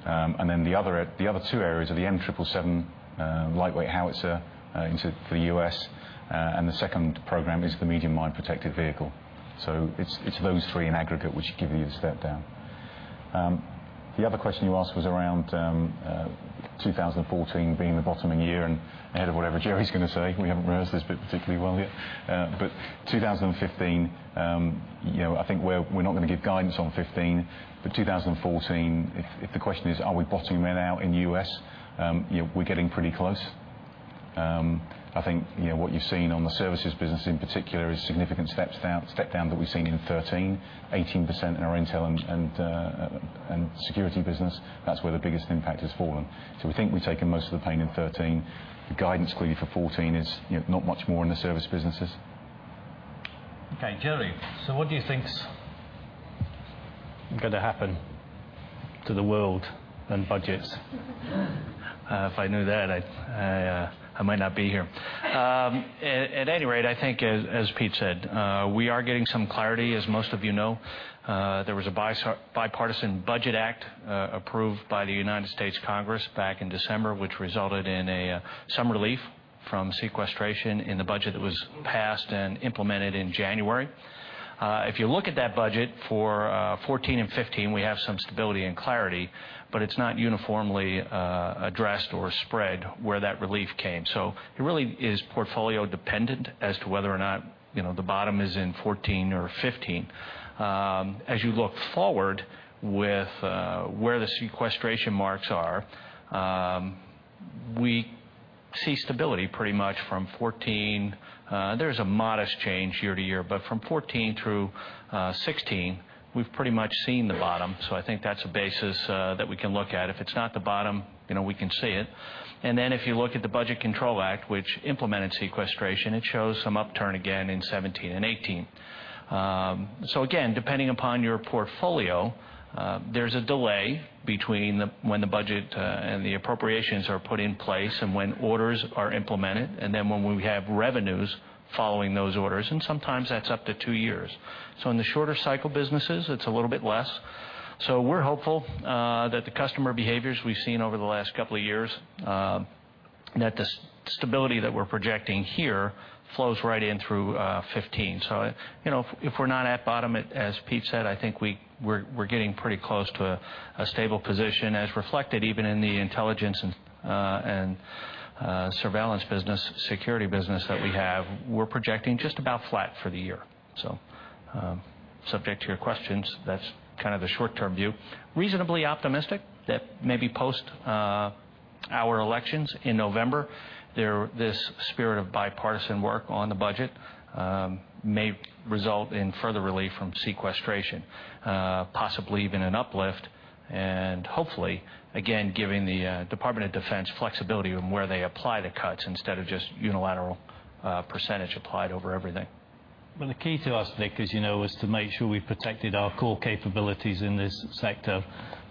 The other two areas are the M777 lightweight howitzer into the U.S., and the second program is the Medium Mine Protected Vehicle. It is those three in aggregate which give you the step-down. The other question you asked was around 2014 being the bottoming year and ahead of whatever Jerry is going to say. We have not rehearsed this bit particularly well yet. 2015, I think we are not going to give guidance on 2015, but 2014, if the question is, are we bottoming it out in the U.S., we are getting pretty close. I think what you have seen on the services business in particular is a significant step-down that we have seen in 2013, 18% in our intel and security business. That's where the biggest impact has fallen. We think we have taken most of the pain in 2013. The guidance clearly for 2014 is not much more in the service businesses. Okay, Jerry, what do you think is going to happen to the world and budgets? If I knew that, I might not be here. At any rate, I think, as Peter said, we are getting some clarity. As most of you know, there was a Bipartisan Budget Act, approved by the United States Congress back in December, which resulted in some relief from sequestration in the budget that was passed and implemented in January. If you look at that budget for 2014 and 2015, we have some stability and clarity, but it is not uniformly addressed or spread where that relief came. It really is portfolio-dependent as to whether or not the bottom is in 2014 or 2015. As you look forward with where the sequestration marks are, we see stability pretty much from 2014. There's a modest change year to year, from 2014 through 2016, we've pretty much seen the bottom. I think that's a basis that we can look at. If it's not the bottom, we can see it. If you look at the Budget Control Act, which implemented sequestration, it shows some upturn again in 2017 and 2018. Again, depending upon your portfolio, there's a delay between when the budget and the appropriations are put in place and when orders are implemented, and then when we have revenues following those orders, and sometimes that's up to two years. In the shorter cycle businesses, it's a little bit less. We're hopeful that the customer behaviors we've seen over the last couple of years, that the stability that we're projecting here flows right in through 2015. If we're not at bottom, as Pete said, I think we're getting pretty close to a stable position, as reflected even in the intelligence and surveillance business, security business that we have. We're projecting just about flat for the year. Subject to your questions, that's kind of the short-term view. Reasonably optimistic that maybe post our elections in November, this spirit of bipartisan work on the budget may result in further relief from sequestration, possibly even an uplift, and hopefully, again, giving the Department of Defense flexibility in where they apply the cuts instead of just unilateral percentage applied over everything. The key to us, Nick, as you know, was to make sure we protected our core capabilities in this sector,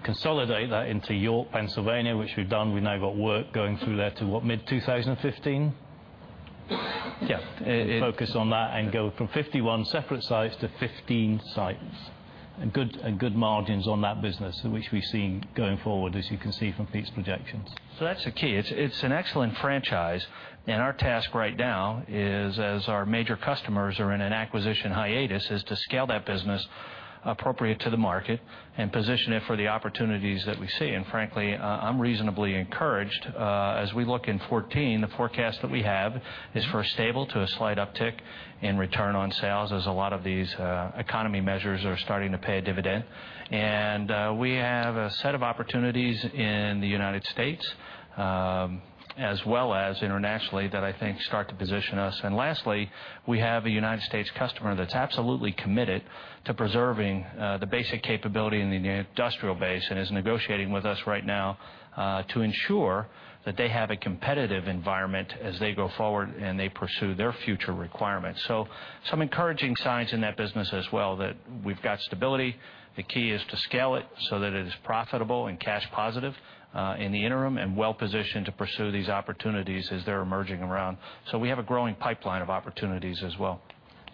consolidate that into York, Pennsylvania, which we've done. We've now got work going through there to what, mid-2015? Yeah. Focus on that and go from 51 separate sites to 15 sites, and good margins on that business, which we've seen going forward, as you can see from Pete's projections. That's the key. It's an excellent franchise, our task right now is, as our major customers are in an acquisition hiatus, is to scale that business appropriate to the market and position it for the opportunities that we see. Frankly, I'm reasonably encouraged. As we look in 2014, the forecast that we have is for a stable to a slight uptick in return on sales as a lot of these economy measures are starting to pay a dividend. We have a set of opportunities in the U.S., as well as internationally, that I think start to position us. Lastly, we have a U.S. customer that's absolutely committed to preserving the basic capability in the industrial base and is negotiating with us right now, to ensure that they have a competitive environment as they go forward, they pursue their future requirements. Some encouraging signs in that business as well that we've got stability. The key is to scale it so that it is profitable and cash positive, in the interim, and well-positioned to pursue these opportunities as they're emerging around. We have a growing pipeline of opportunities as well.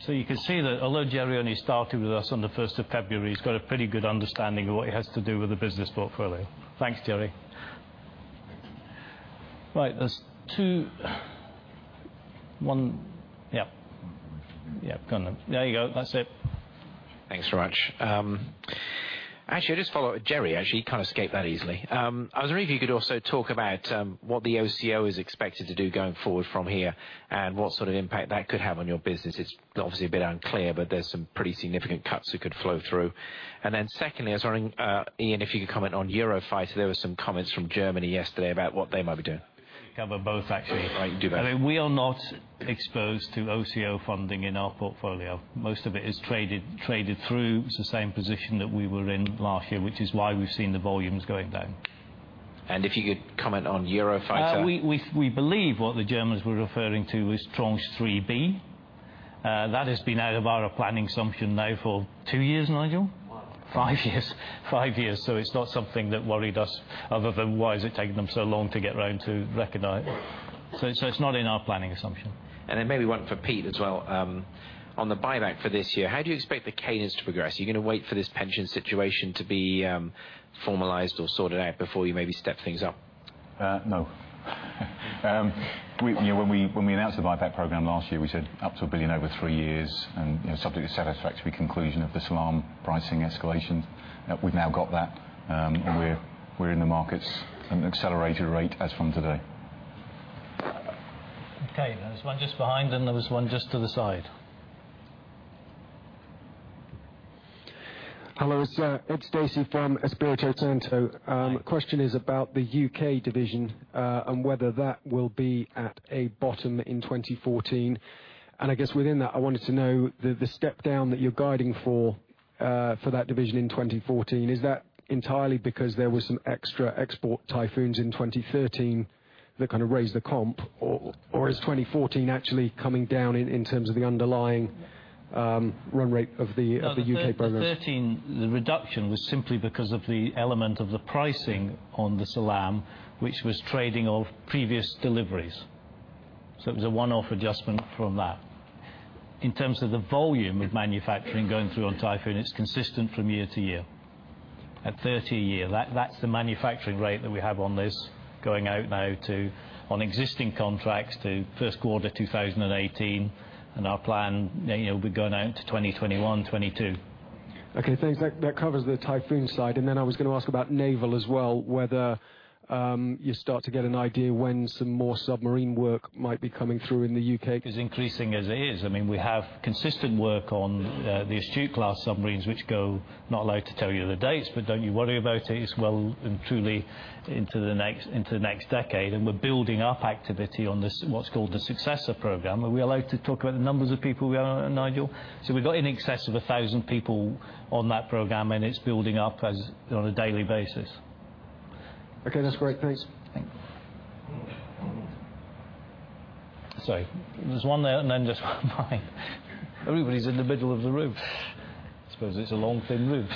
You can see that although Jerry only started with us on the 1st of February, he's got a pretty good understanding of what he has to do with the business portfolio. Thanks, Jerry. Right. There's two One. Yep, got them. There you go. That's it. Thanks very much. Actually, I'll just follow up with Jerry, actually, you kind of escaped that easily. I was wondering if you could also talk about what the OCO is expected to do going forward from here, and what sort of impact that could have on your business. It's obviously a bit unclear, but there's some pretty significant cuts that could flow through. Secondly, I was wondering, Ian, if you could comment on Eurofighter. There were some comments from Germany yesterday about what they might be doing. Cover both, actually. Right, can do that. I mean, we are not exposed to OCO funding in our portfolio. Most of it is traded through the same position that we were in last year, which is why we've seen the volumes going down. If you could comment on Eurofighter. We believe what the Germans were referring to is Tranche 3B. That has been out of our planning assumption now for two years, Nigel? Five. Five years. Five years, it's not something that worried us other than why is it taking them so long to get around to recognize. It's not in our planning assumption. Then maybe one for Pete as well. On the buyback for this year, how do you expect the cadence to progress? Are you going to wait for this pension situation to be formalized or sorted out before you maybe step things up? No. When we announced the buyback program last year, we said up to a billion over three years, subject to satisfactory conclusion of the Salam pricing escalation. We've now got that, we're in the markets at an accelerated rate as from today. Okay. There was one just behind, there was one just to the side. Hello, it's Ed Stacey from Espirito Santo. Hi. Question is about the U.K. division, whether that will be at a bottom in 2014. I guess within that, I wanted to know the step-down that you're guiding for that division in 2014, is that entirely because there was some extra export Typhoons in 2013 that kind of raised the comp? Is 2014 actually coming down in terms of the underlying run rate of the U.K. program? No, the 2013, the reduction was simply because of the element of the pricing on the Salam, which was trading off previous deliveries. It was a one-off adjustment from that. In terms of the volume of manufacturing going through on Typhoon, it's consistent from year to year. At 30 a year, that's the manufacturing rate that we have on this going out now to, on existing contracts, to first quarter 2018, our plan, it'll be going out to 2021, 2022. Okay, thanks. That covers the Typhoon side. Then I was going to ask about naval as well, whether you start to get an idea when some more submarine work might be coming through in the U.K. It's increasing as it is. I mean, we have consistent work on the Astute-class submarines, which go, not allowed to tell you the dates, but don't you worry about it's well and truly into the next decade. We're building up activity on this, what's called the Successor program. Are we allowed to talk about the numbers of people we have on it, Nigel? We've got in excess of 1,000 people on that program, and it's building up as on a daily basis. Okay, that's great, Pete. Sorry. There's one there, then there's one behind. Everybody's in the middle of the room. I suppose it's a long, thin room.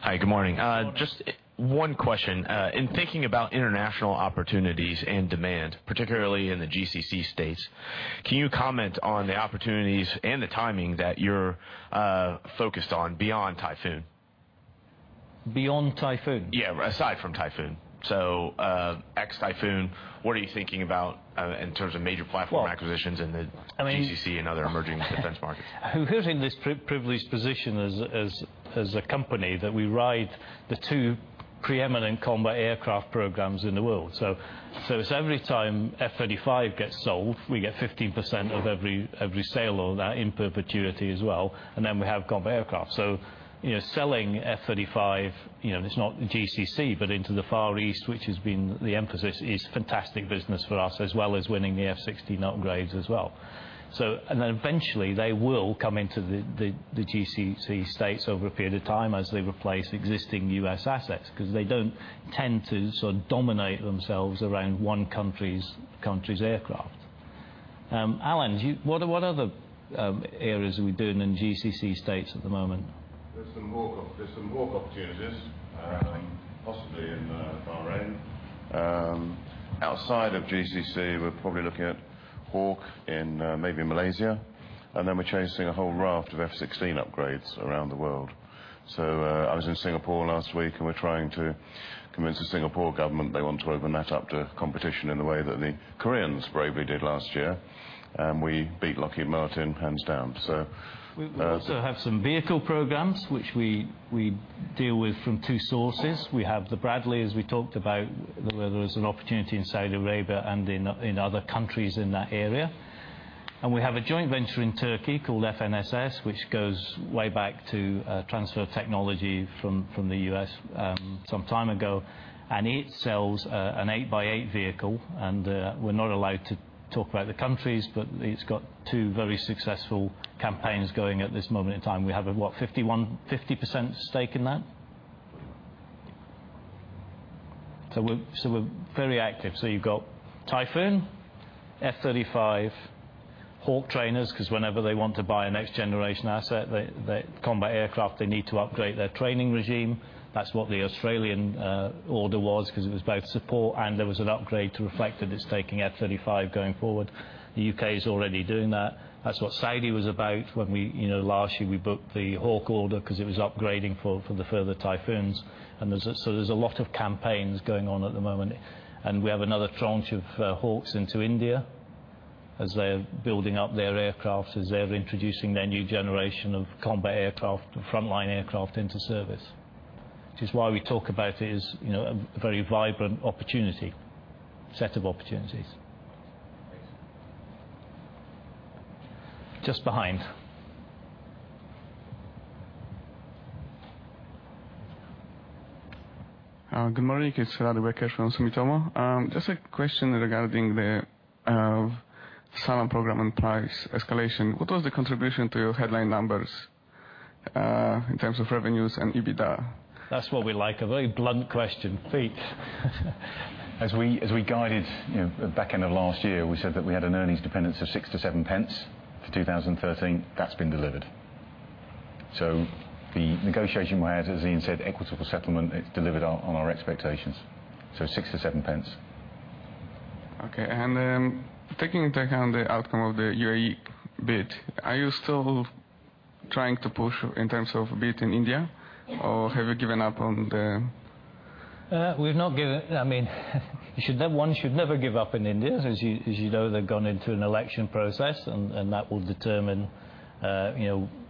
Hi, good morning. Good morning. Just one question. In thinking about international opportunities and demand, particularly in the GCC states, can you comment on the opportunities and the timing that you're focused on beyond Typhoon? Beyond Typhoon? Yeah. Aside from Typhoon. Ex-Typhoon, what are you thinking about in terms of major platform acquisitions in the- Well, I mean- GCC and other emerging defense markets? It's every time F-35 gets sold, we get 15% of every sale of that, in perpetuity as well, and then we have combat aircraft. Selling F-35, it's not GCC, but into the Far East, which has been the emphasis, is fantastic business for us, as well as winning the F-16 upgrades as well. Then eventually, they will come into the GCC states over a period of time as they replace existing U.S. assets, because they don't tend to dominate themselves around one country's aircraft. Alan, what other areas are we doing in GCC states at the moment? There's some Hawk opportunities, possibly in Bahrain. Outside of GCC, we're probably looking at Hawk in maybe Malaysia, and then we're chasing a whole raft of F-16 upgrades around the world. I was in Singapore last week, and we're trying to convince the Singapore government they want to open that up to competition in the way that the Koreans bravely did last year. We beat Lockheed Martin hands down, so- We also have some vehicle programs which we deal with from two sources. We have the Bradley, as we talked about, where there is an opportunity in Saudi Arabia and in other countries in that area. We have a joint venture in Turkey called FNSS, which goes way back to transfer of technology from the U.S. some time ago. It sells an 8x8 vehicle, and we're not allowed to talk about the countries, but it's got two very successful campaigns going at this moment in time. We have, what, 50% stake in that? We're very active. You've got Typhoon, F-35, Hawk trainers, because whenever they want to buy a next-generation asset, the combat aircraft, they need to upgrade their training regime. That's what the Australian order was, because it was both support and there was an upgrade to reflect that it's taking F-35 going forward. The U.K. is already doing that. That's what Saudi was about when, last year, we booked the Hawk order because it was upgrading for the further Typhoons. There's a lot of campaigns going on at the moment, and we have another tranche of Hawks into India as they're building up their aircraft, as they're introducing their new generation of combat aircraft, frontline aircraft into service. Which is why we talk about it as a very vibrant opportunity, set of opportunities. Thanks. Just behind. Good morning. It's Radek Bekes from Sumitomo. Just a question regarding the Salam program and price escalation. What was the contribution to your headline numbers, in terms of revenues and EBITDA? That's what we like, a very blunt question. Pete? As we guided back end of last year, we said that we had an earnings dependence of 0.06 to 0.07 for 2013. That's been delivered. The negotiation, as Ian said, equitable settlement, it's delivered on our expectations. 0.06 to 0.07. Okay. Taking into account the outcome of the UAE bid, are you still trying to push in terms of a bid in India? Have you given up on the- We've not given. One should never give up in India. You know, they've gone into an election process, and that will determine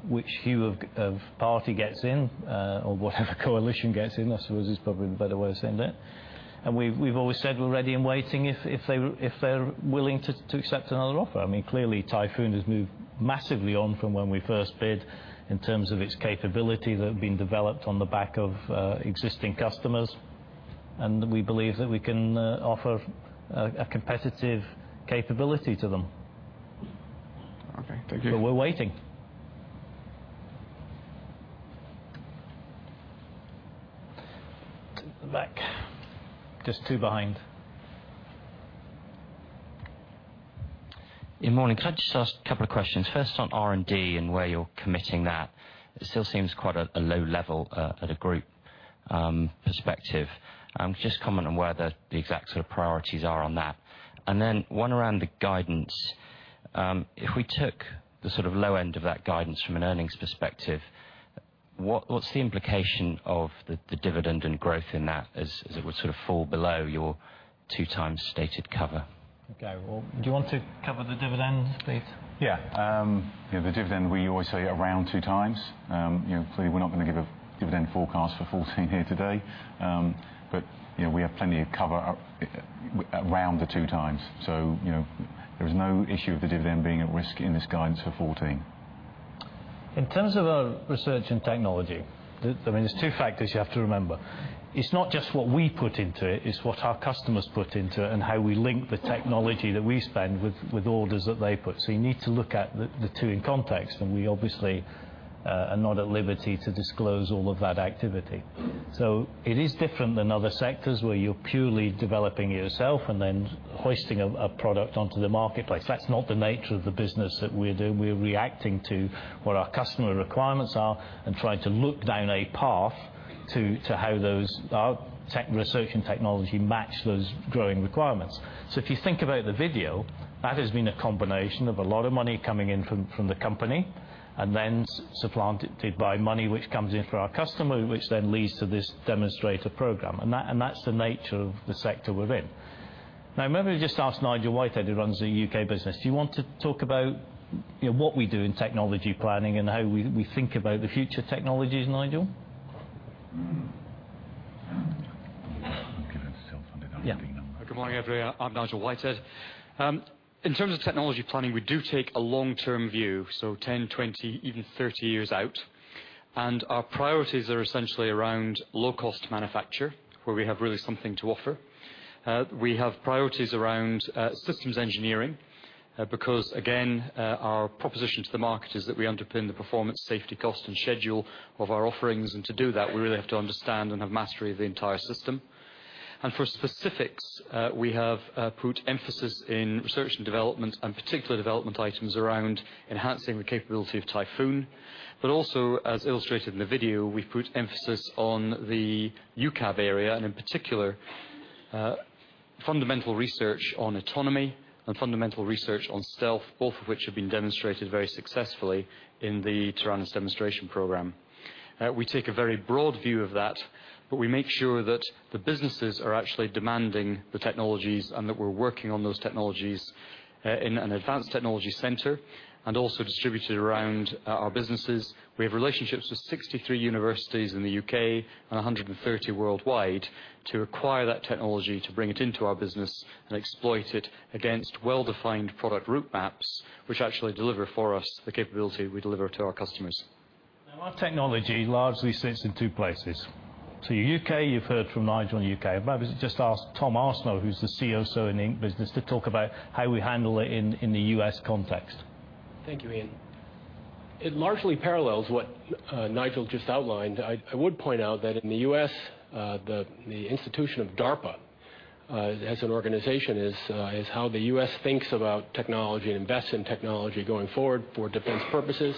which hue of party gets in or whatever coalition gets in, I suppose is probably the better way of saying that. We've always said we're ready and waiting if they're willing to accept another offer. Typhoon has moved massively on from when we first bid in terms of its capability that have been developed on the back of existing customers, and we believe that we can offer a competitive capability to them. Okay. Thank you. We're waiting. To the back. Just two behind. Good morning. Could I just ask a couple of questions? First, on R&D and where you're committing that, it still seems quite a low level at a group perspective. Just comment on where the exact sort of priorities are on that. Then one around the guidance. If we took the sort of low end of that guidance from an earnings perspective, what's the implication of the dividend and growth in that as it would sort of fall below your two times stated cover? Okay. Well, do you want to cover the dividend, please? Yeah. The dividend, we always say around two times. Clearly, we're not going to give a dividend forecast for 2014 here today. We have plenty of cover around the two times. There is no issue of the dividend being at risk in this guidance for 2014. In terms of our research and technology, there's two factors you have to remember. It's not just what we put into it's what our customers put into it and how we link the technology that we spend with orders that they put. You need to look at the two in context, and we obviously are not at liberty to disclose all of that activity. It is different than other sectors where you're purely developing yourself and then hoisting a product onto the marketplace. That's not the nature of the business that we do. We're reacting to what our customer requirements are and trying to look down a path to how those, our research and technology, match those growing requirements. If you think about the video, that has been a combination of a lot of money coming in from the company and then supplanted by money which comes in from our customer, which then leads to this demonstrator program. That's the nature of the sector we're in. Now, maybe I just ask Nigel Whitehead, who runs the U.K. business, do you want to talk about what we do in technology planning and how we think about the future technologies, Nigel? I'll give it to self under our big number. Yeah. Good morning, everybody. I'm Nigel Whitehead. In terms of technology planning, we do take a long-term view, so 10, 20, even 30 years out. Our priorities are essentially around low-cost manufacture, where we have really something to offer. We have priorities around systems engineering, because again, our proposition to the market is that we underpin the performance, safety, cost, and schedule of our offerings. To do that, we really have to understand and have mastery of the entire system. For specifics, we have put emphasis in research and development, and particularly development items around enhancing the capability of Typhoon. Also, as illustrated in the video, we've put emphasis on the UCAV area, and in particular, fundamental research on autonomy and fundamental research on stealth, both of which have been demonstrated very successfully in the Taranis demonstration program. We take a very broad view of that, we make sure that the businesses are actually demanding the technologies and that we're working on those technologies in an advanced technology center, and also distributed around our businesses. We have relationships with 63 universities in the U.K., and 130 worldwide, to acquire that technology to bring it into our business and exploit it against well-defined product route maps, which actually deliver for us the capability we deliver to our customers. Our technology largely sits in two places. U.K., you've heard from Nigel on U.K. Maybe I just ask Tom Arseneault, who's the CSO in the Inc. business, to talk about how we handle it in the U.S. context. Thank you, Ian. It largely parallels what Nigel just outlined. I would point out that in the U.S., the institution of DARPA as an organization is how the U.S. thinks about technology and invests in technology going forward for defense purposes.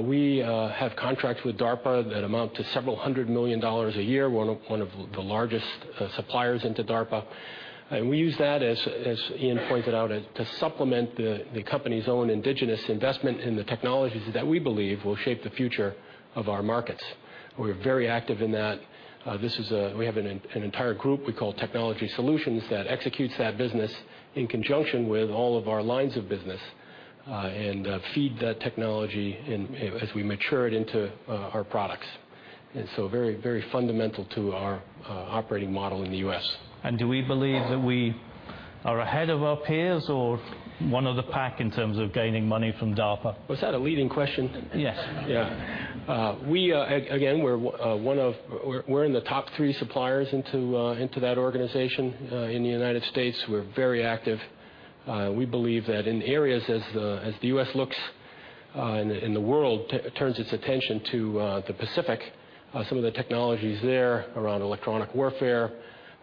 We have contracts with DARPA that amount to $several hundred million a year, one of the largest suppliers into DARPA. We use that, as Ian pointed out, to supplement the company's own indigenous investment in the technologies that we believe will shape the future of our markets. We're very active in that. We have an entire group we call Technology Solutions that executes that business in conjunction with all of our lines of business, feed that technology as we mature it into our products. Very, very fundamental to our operating model in the U.S. Do we believe that we are ahead of our peers or one of the pack in terms of gaining money from DARPA? Was that a leading question? Yes. Yeah. Again, we're in the top three suppliers into that organization in the United States. We're very active. We believe that in areas as the U.S. looks in the world, turns its attention to the Pacific, some of the technologies there around electronic warfare,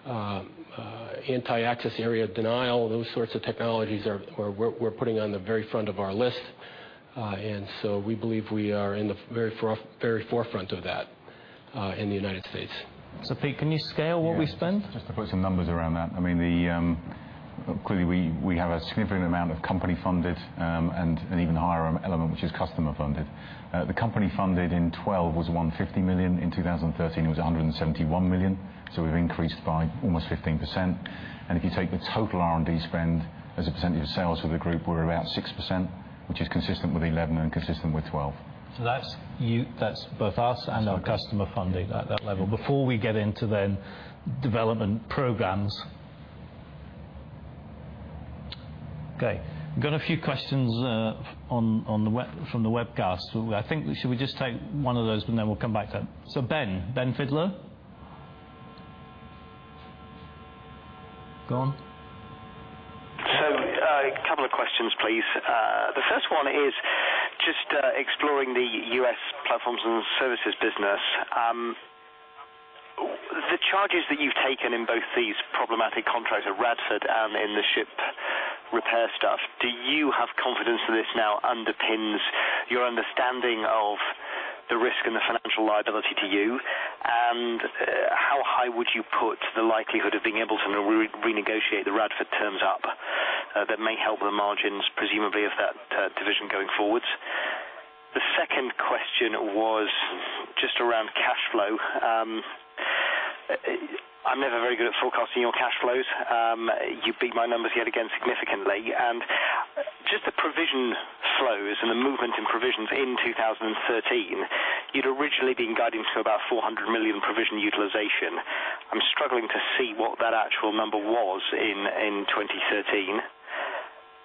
anti-access/area denial, those sorts of technologies are where we're putting on the very front of our list. We believe we are in the very forefront of that in the United States. Pete, can you scale what we spend? Yes. Just to put some numbers around that. Clearly, we have a significant amount of company-funded, and an even higher element, which is customer-funded. The company-funded in 2012 was 150 million. In 2013, it was 171 million, so we've increased by almost 15%. If you take the total R&D spend as a percentage of sales for the group, we're around 6%, which is consistent with 2011 and consistent with 2012. That's both us and our customer funding at that level. Before we get into then development programs. Okay. Got a few questions from the webcast. Shall we just take one of those, and then we'll come back to it. Ben. Ben Fidler? Go on. A couple of questions, please. The first one is just exploring the U.S. Platforms and Services business. The charges that you've taken in both these problematic contracts at Radford and in the ship repair stuff, do you have confidence that this now underpins your understanding of the risk and the financial liability to you? How high would you put the likelihood of being able to renegotiate the Radford terms up that may help the margins, presumably, of that division going forwards? The second question was just around cash flow. I'm never very good at forecasting your cash flows. You beat my numbers yet again, significantly. Just the provision flows and the movement in provisions in 2013, you'd originally been guiding to about 400 million provision utilization. I'm struggling to see what that actual number was in 2013.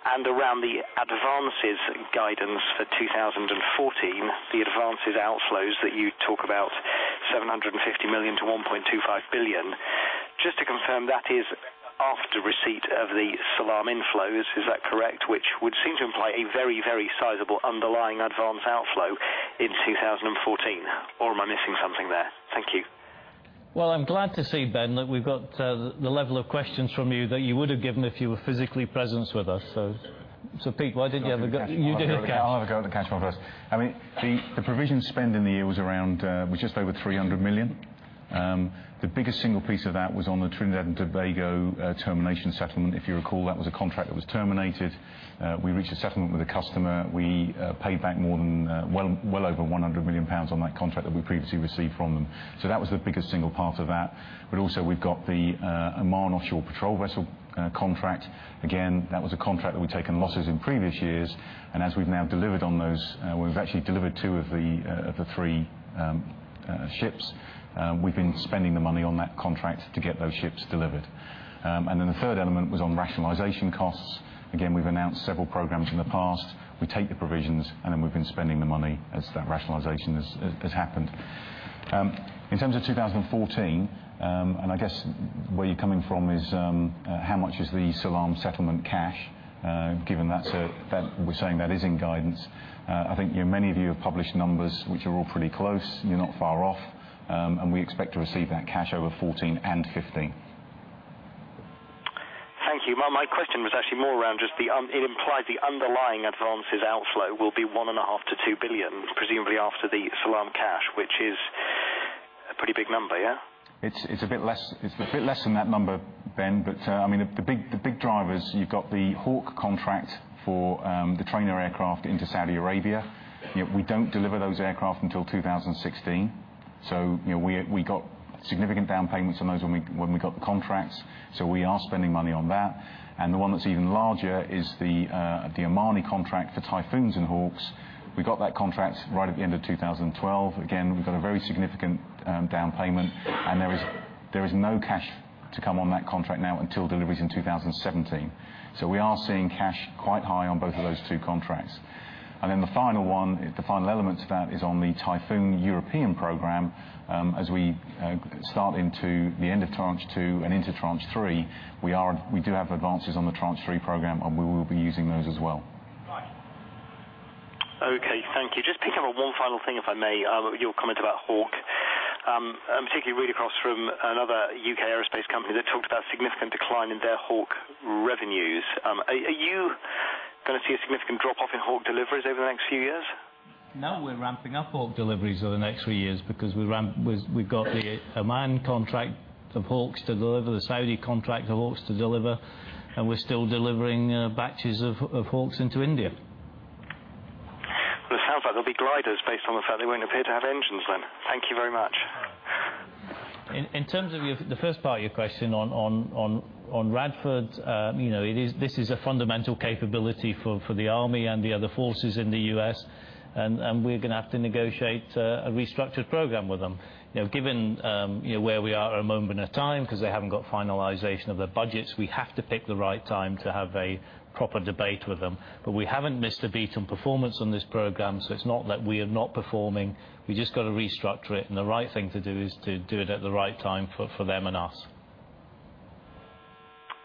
Around the advances guidance for 2014, the advances outflows that you talk about, 750 million to 1.25 billion, just to confirm, that is after receipt of the Salam inflows, is that correct? Which would seem to imply a very, very sizable underlying advance outflow in 2014, or am I missing something there? Thank you. Well, I'm glad to see, Ben, that we've got the level of questions from you that you would've given if you were physically present with us. Pete, why don't you have a go? You did cash. I'll have a go at the cash flow first. The provision spend in the year was just over 300 million. The biggest single piece of that was on the Trinidad and Tobago termination settlement. If you recall, that was a contract that was terminated. We reached a settlement with the customer. We paid back well over 100 million pounds on that contract that we previously received from them. That was the biggest single part of that. Also, we've got the Oman offshore patrol vessel contract. Again, that was a contract that we'd taken losses in previous years. As we've now delivered on those, we've actually delivered two of the three ships. We've been spending the money on that contract to get those ships delivered. Then the third element was on rationalization costs. Again, we've announced several programs in the past. We take the provisions, then we've been spending the money as that rationalization has happened. In terms of 2014, I guess where you're coming from is, how much is the Salam settlement cash, given that we're saying that is in guidance. I think many of you have published numbers, which are all pretty close. You're not far off. We expect to receive that cash over 2014 and 2015. Thank you. My question was actually more around just it implied the underlying advances outflow will be GBP 1.5 billion-GBP 2 billion, presumably after the Salam cash, which is a pretty big number, yeah? It's a bit less than that number, Ben. The big drivers, you've got the Hawk contract for the trainer aircraft into Saudi Arabia. We don't deliver those aircraft until 2016. We got significant down payments on those when we got the contracts, so we are spending money on that. The one that's even larger is the Omani contract for Typhoons and Hawks. We got that contract right at the end of 2012. Again, we've got a very significant down payment, and there is no cash to come on that contract now until deliveries in 2017. We are seeing cash quite high on both of those two contracts. The final element to that is on the Typhoon European program. As we start into the end of Tranche 2 and into Tranche 3, we do have advances on the Tranche 3 program, and we will be using those as well. Okay, thank you. Just picking up on one final thing, if I may, your comment about Hawk. I'm particularly reading across from another U.K. aerospace company that talked about significant decline in their Hawk revenues. Are you going to see a significant drop-off in Hawk deliveries over the next few years? No, we're ramping up Hawk deliveries over the next few years because we've got the Oman contract of Hawks to deliver, the Saudi contract of Hawks to deliver, and we're still delivering batches of Hawks into India. It sounds like they'll be gliders based on the fact they won't appear to have engines then. Thank you very much. In terms of the first part of your question on Radford, this is a fundamental capability for the Army and the other forces in the U.S. We're going to have to negotiate a restructured program with them. Given where we are at a moment in time, because they haven't got finalization of their budgets, we have to pick the right time to have a proper debate with them. We haven't missed a beat on performance on this program, it's not that we are not performing. We've just got to restructure it, and the right thing to do is to do it at the right time for them and us.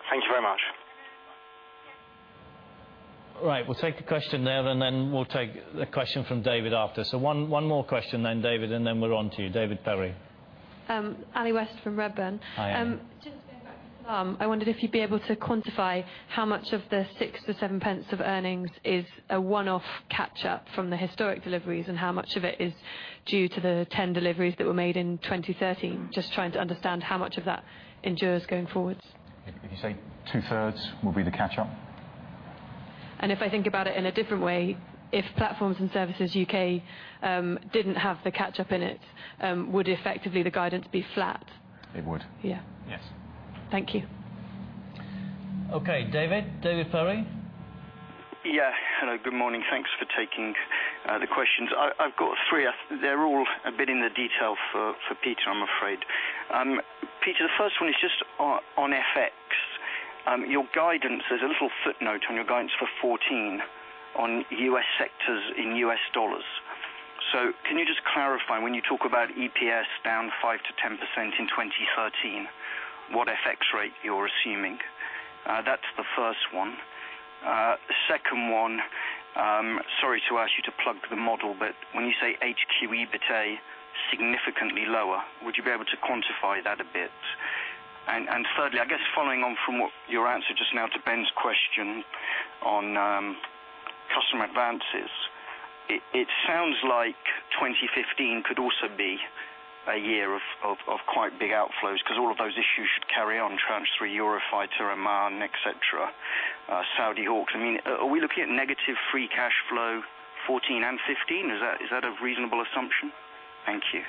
Thank you very much. Right. We'll take a question there, and then we'll take a question from David after. One more question then David, and then we're onto you. David Perry. Ali West from Redburn. Hi, Ali. Just going back to Tom, I wondered if you'd be able to quantify how much of the 0.06-0.07 of earnings is a one-off catch-up from the historic deliveries, and how much of it is due to the 10 deliveries that were made in 2013? Just trying to understand how much of that endures going forwards. If you say two-thirds will be the catch-up. If I think about it in a different way, if Platforms & Services UK didn't have the catch-up in it, would effectively the guidance be flat? It would. Yeah. Yes. Thank you. Okay, David. David Perry. Yeah. Hello, good morning. Thanks for taking the questions. I've got three. They're all a bit in the detail for Peter, I'm afraid. Peter, the first one is just on FX. There's a little footnote on your guidance for 2014 on U.S. sectors in U.S. dollars. Can you just clarify, when you talk about EPS down 5%-10% in 2013, what FX rate you're assuming? That's the first one. Second one, sorry to ask you to plug the model, when you say HQ EBITA significantly lower, would you be able to quantify that a bit? Thirdly, I guess following on from what your answer just now to Ben's question on customer advances, it sounds like 2015 could also be a year of quite big outflows because all of those issues should carry on Tranche 3 Eurofighter, Oman, et cetera, Saudi Hawks. Are we looking at negative free cash flow 2014 and 2015? Is that a reasonable assumption? Thank you.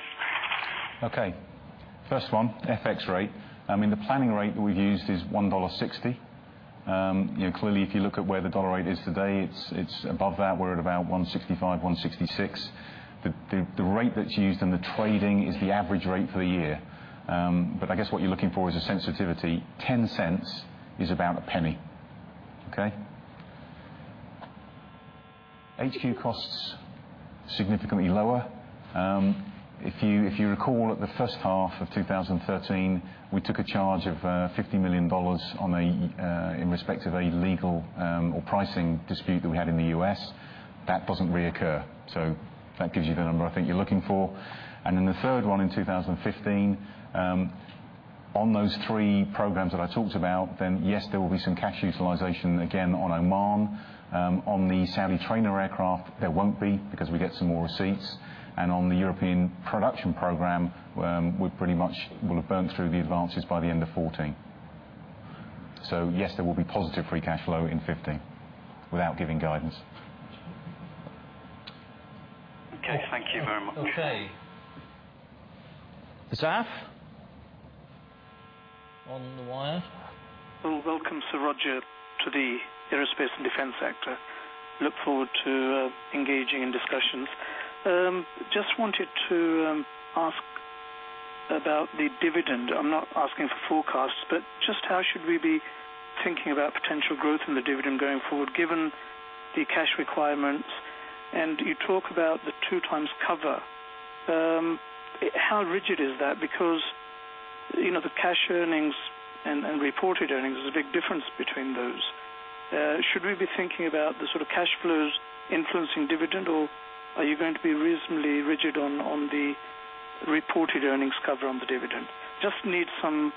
Okay. First one, FX rate. The planning rate that we've used is $1.60. Clearly, if you look at where the dollar rate is today, it's above that. We're at about $1.65, $1.66. The rate that's used and the trading is the average rate for the year. I guess what you're looking for is a sensitivity. $0.10 is about GBP 0.01. Okay? HQ costs significantly lower. If you recall at the first half of 2013, we took a charge of $50 million in respect of a legal or pricing dispute that we had in the U.S. That doesn't reoccur. That gives you the number I think you're looking for. The third one in 2015, on those three programs that I talked about, yes, there will be some cash utilization again on Oman. On the Saudi trainer aircraft, there won't be because we get some more receipts. On the European production program, we pretty much will have burned through the advances by the end of 2014. Yes, there will be positive free cash flow in 2015 without giving guidance. Okay. Thank you very much. Okay. Asaf? On the wire. Welcome, Sir Roger, to the Aerospace and Defense sector. Look forward to engaging in discussions. Just wanted to ask about the dividend. I'm not asking for forecasts, but just how should we be thinking about potential growth in the dividend going forward, given the cash requirements? You talk about the two times cover. How rigid is that? The cash earnings and reported earnings, there's a big difference between those. Should we be thinking about the sort of cash flows influencing dividend, or are you going to be reasonably rigid on the reported earnings cover on the dividend? I just need some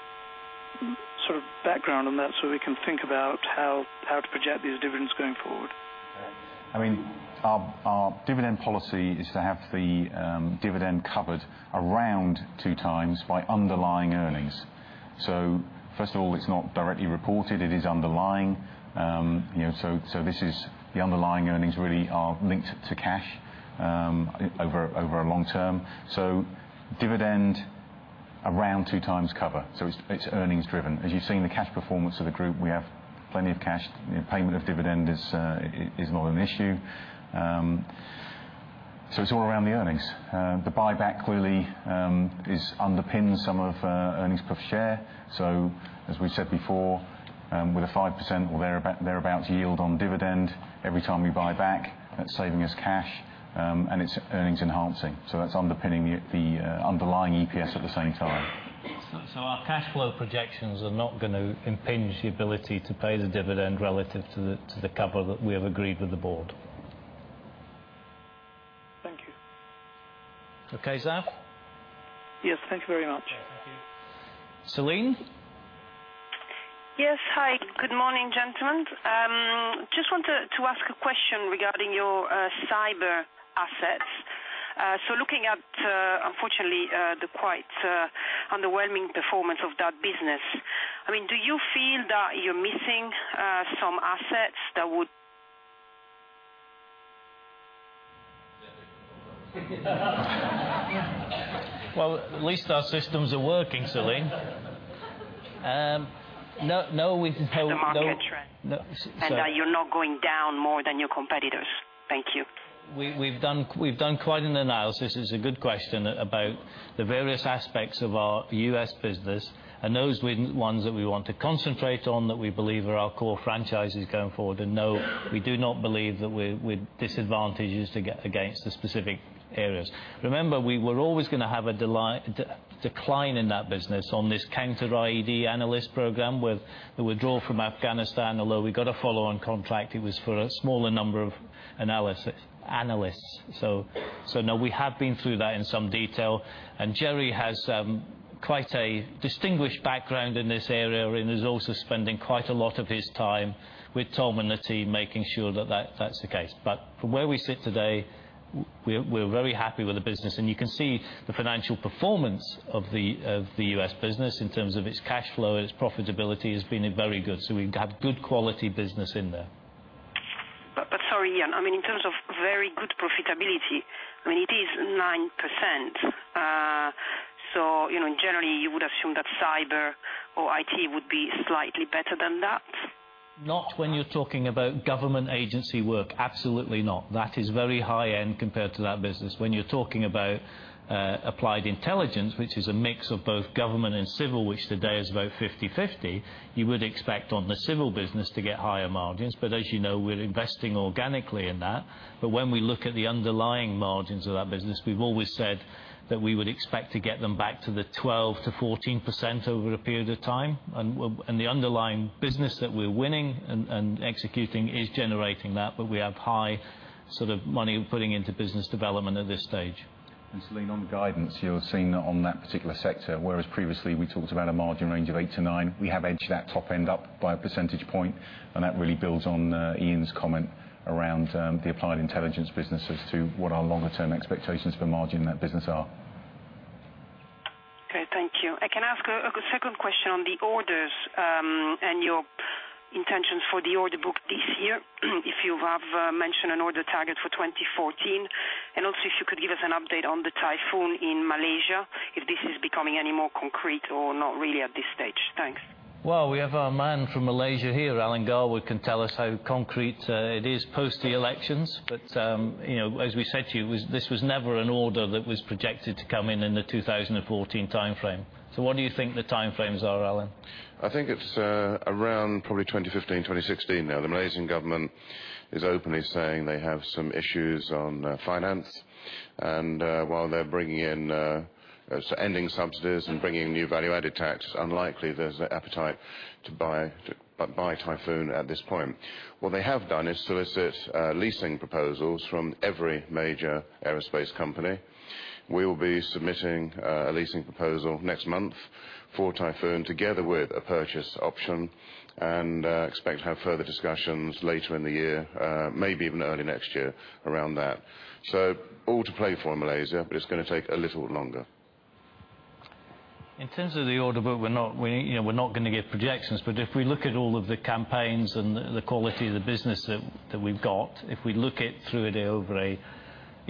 sort of background on that so we can think about how to project these dividends going forward. Our dividend policy is to have the dividend covered around two times by underlying earnings. First of all, it's not directly reported, it is underlying. The underlying earnings really are linked to cash over a long term. Dividend around two times cover. It's earnings-driven. As you've seen the cash performance of the group, we have plenty of cash. Payment of dividend is not an issue. It's all around the earnings. The buyback clearly underpins some of earnings per share. As we said before, with a 5% or thereabout yield on dividend every time we buy back, that's saving us cash. It's earnings enhancing. That's underpinning the underlying EPS at the same time. Our cash flow projections are not going to impinge the ability to pay the dividend relative to the cover that we have agreed with the board. Thank you. Okay, Zaf? Yes, thank you very much. Thank you. Celine? Yes. Hi, good morning, gentlemen. Just wanted to ask a question regarding your cyber assets. Looking at, unfortunately, the quite underwhelming performance of that business. Do you feel that you're missing some assets that would. Well, at least our systems are working, Celine. No, we've. The market trend. Sorry. That you're not going down more than your competitors. Thank you. We've done quite an analysis, it's a good question, about the various aspects of our U.S. business, and those are the ones that we want to concentrate on that we believe are our core franchises going forward. No, we do not believe that we're disadvantaged against the specific areas. Remember, we were always going to have a decline in that business on this Counter-IED analyst program with the withdrawal from Afghanistan. Although we got a follow-on contract, it was for a smaller number of analysts. No, we have been through that in some detail. Jerry has quite a distinguished background in this area and is also spending quite a lot of his time with Tom and the team, making sure that that's the case. From where we sit today, we're very happy with the business. You can see the financial performance of the U.S. business in terms of its cash flow and its profitability has been very good. We have good quality business in there. Sorry, Ian. In terms of very good profitability, it is 9%. Generally, you would assume that cyber or IT would be slightly better than that. Not when you're talking about government agency work. Absolutely not. That is very high-end compared to that business. When you're talking about Applied Intelligence, which is a mix of both government and civil, which today is about 50/50, you would expect on the civil business to get higher margins. As you know, we're investing organically in that. When we look at the underlying margins of that business, we've always said that we would expect to get them back to the 12%-14% over a period of time. The underlying business that we're winning and executing is generating that, but we have high money we're putting into business development at this stage. Celine, on the guidance you're seeing on that particular sector, whereas previously we talked about a margin range of 8%-9%, we have edged that top end up by a percentage point, and that really builds on Ian's comment around the Applied Intelligence business as to what our longer-term expectations for margin in that business are. Okay, thank you. Can I ask a second question on the orders, and your intentions for the order book this year, if you have mentioned an order target for 2014? Also, if you could give us an update on the Typhoon in Malaysia, if this is becoming any more concrete or not really at this stage. Thanks. Well, we have our man from Malaysia here. Alan Garwood can tell us how concrete it is post the elections. As we said to you, this was never an order that was projected to come in in the 2014 timeframe. What do you think the time frames are, Alan? I think it's around probably 2015, 2016 now. The Malaysian government is openly saying they have some issues on finance. While they're ending subsidies and bringing new value-added tax, it's unlikely there's the appetite to buy Typhoon at this point. What they have done is solicit leasing proposals from every major aerospace company. We will be submitting a leasing proposal next month for Typhoon, together with a purchase option, and expect to have further discussions later in the year, maybe even early next year around that. All to play for in Malaysia, but it's going to take a little longer. In terms of the order book, we're not going to give projections. If we look at all of the campaigns and the quality of the business that we've got, if we look at through it over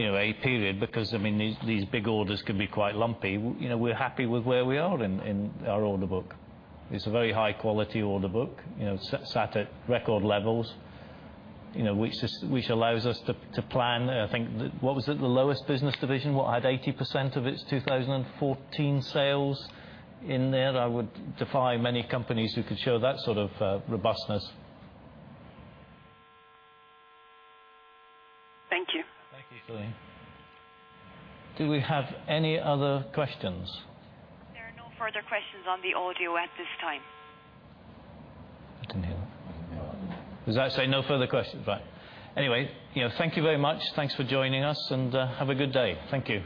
a period, because these big orders can be quite lumpy, we're happy with where we are in our order book. It's a very high-quality order book, sat at record levels, which allows us to plan, I think, what was it? The lowest business division, what, had 80% of its 2014 sales in there? I would defy many companies who could show that sort of robustness. Thank you. Thank you, Celine. Do we have any other questions? There are no further questions on the audio at this time. I didn't hear that. Does that say no further questions? Right. Thank you very much. Thanks for joining us, and have a good day. Thank you.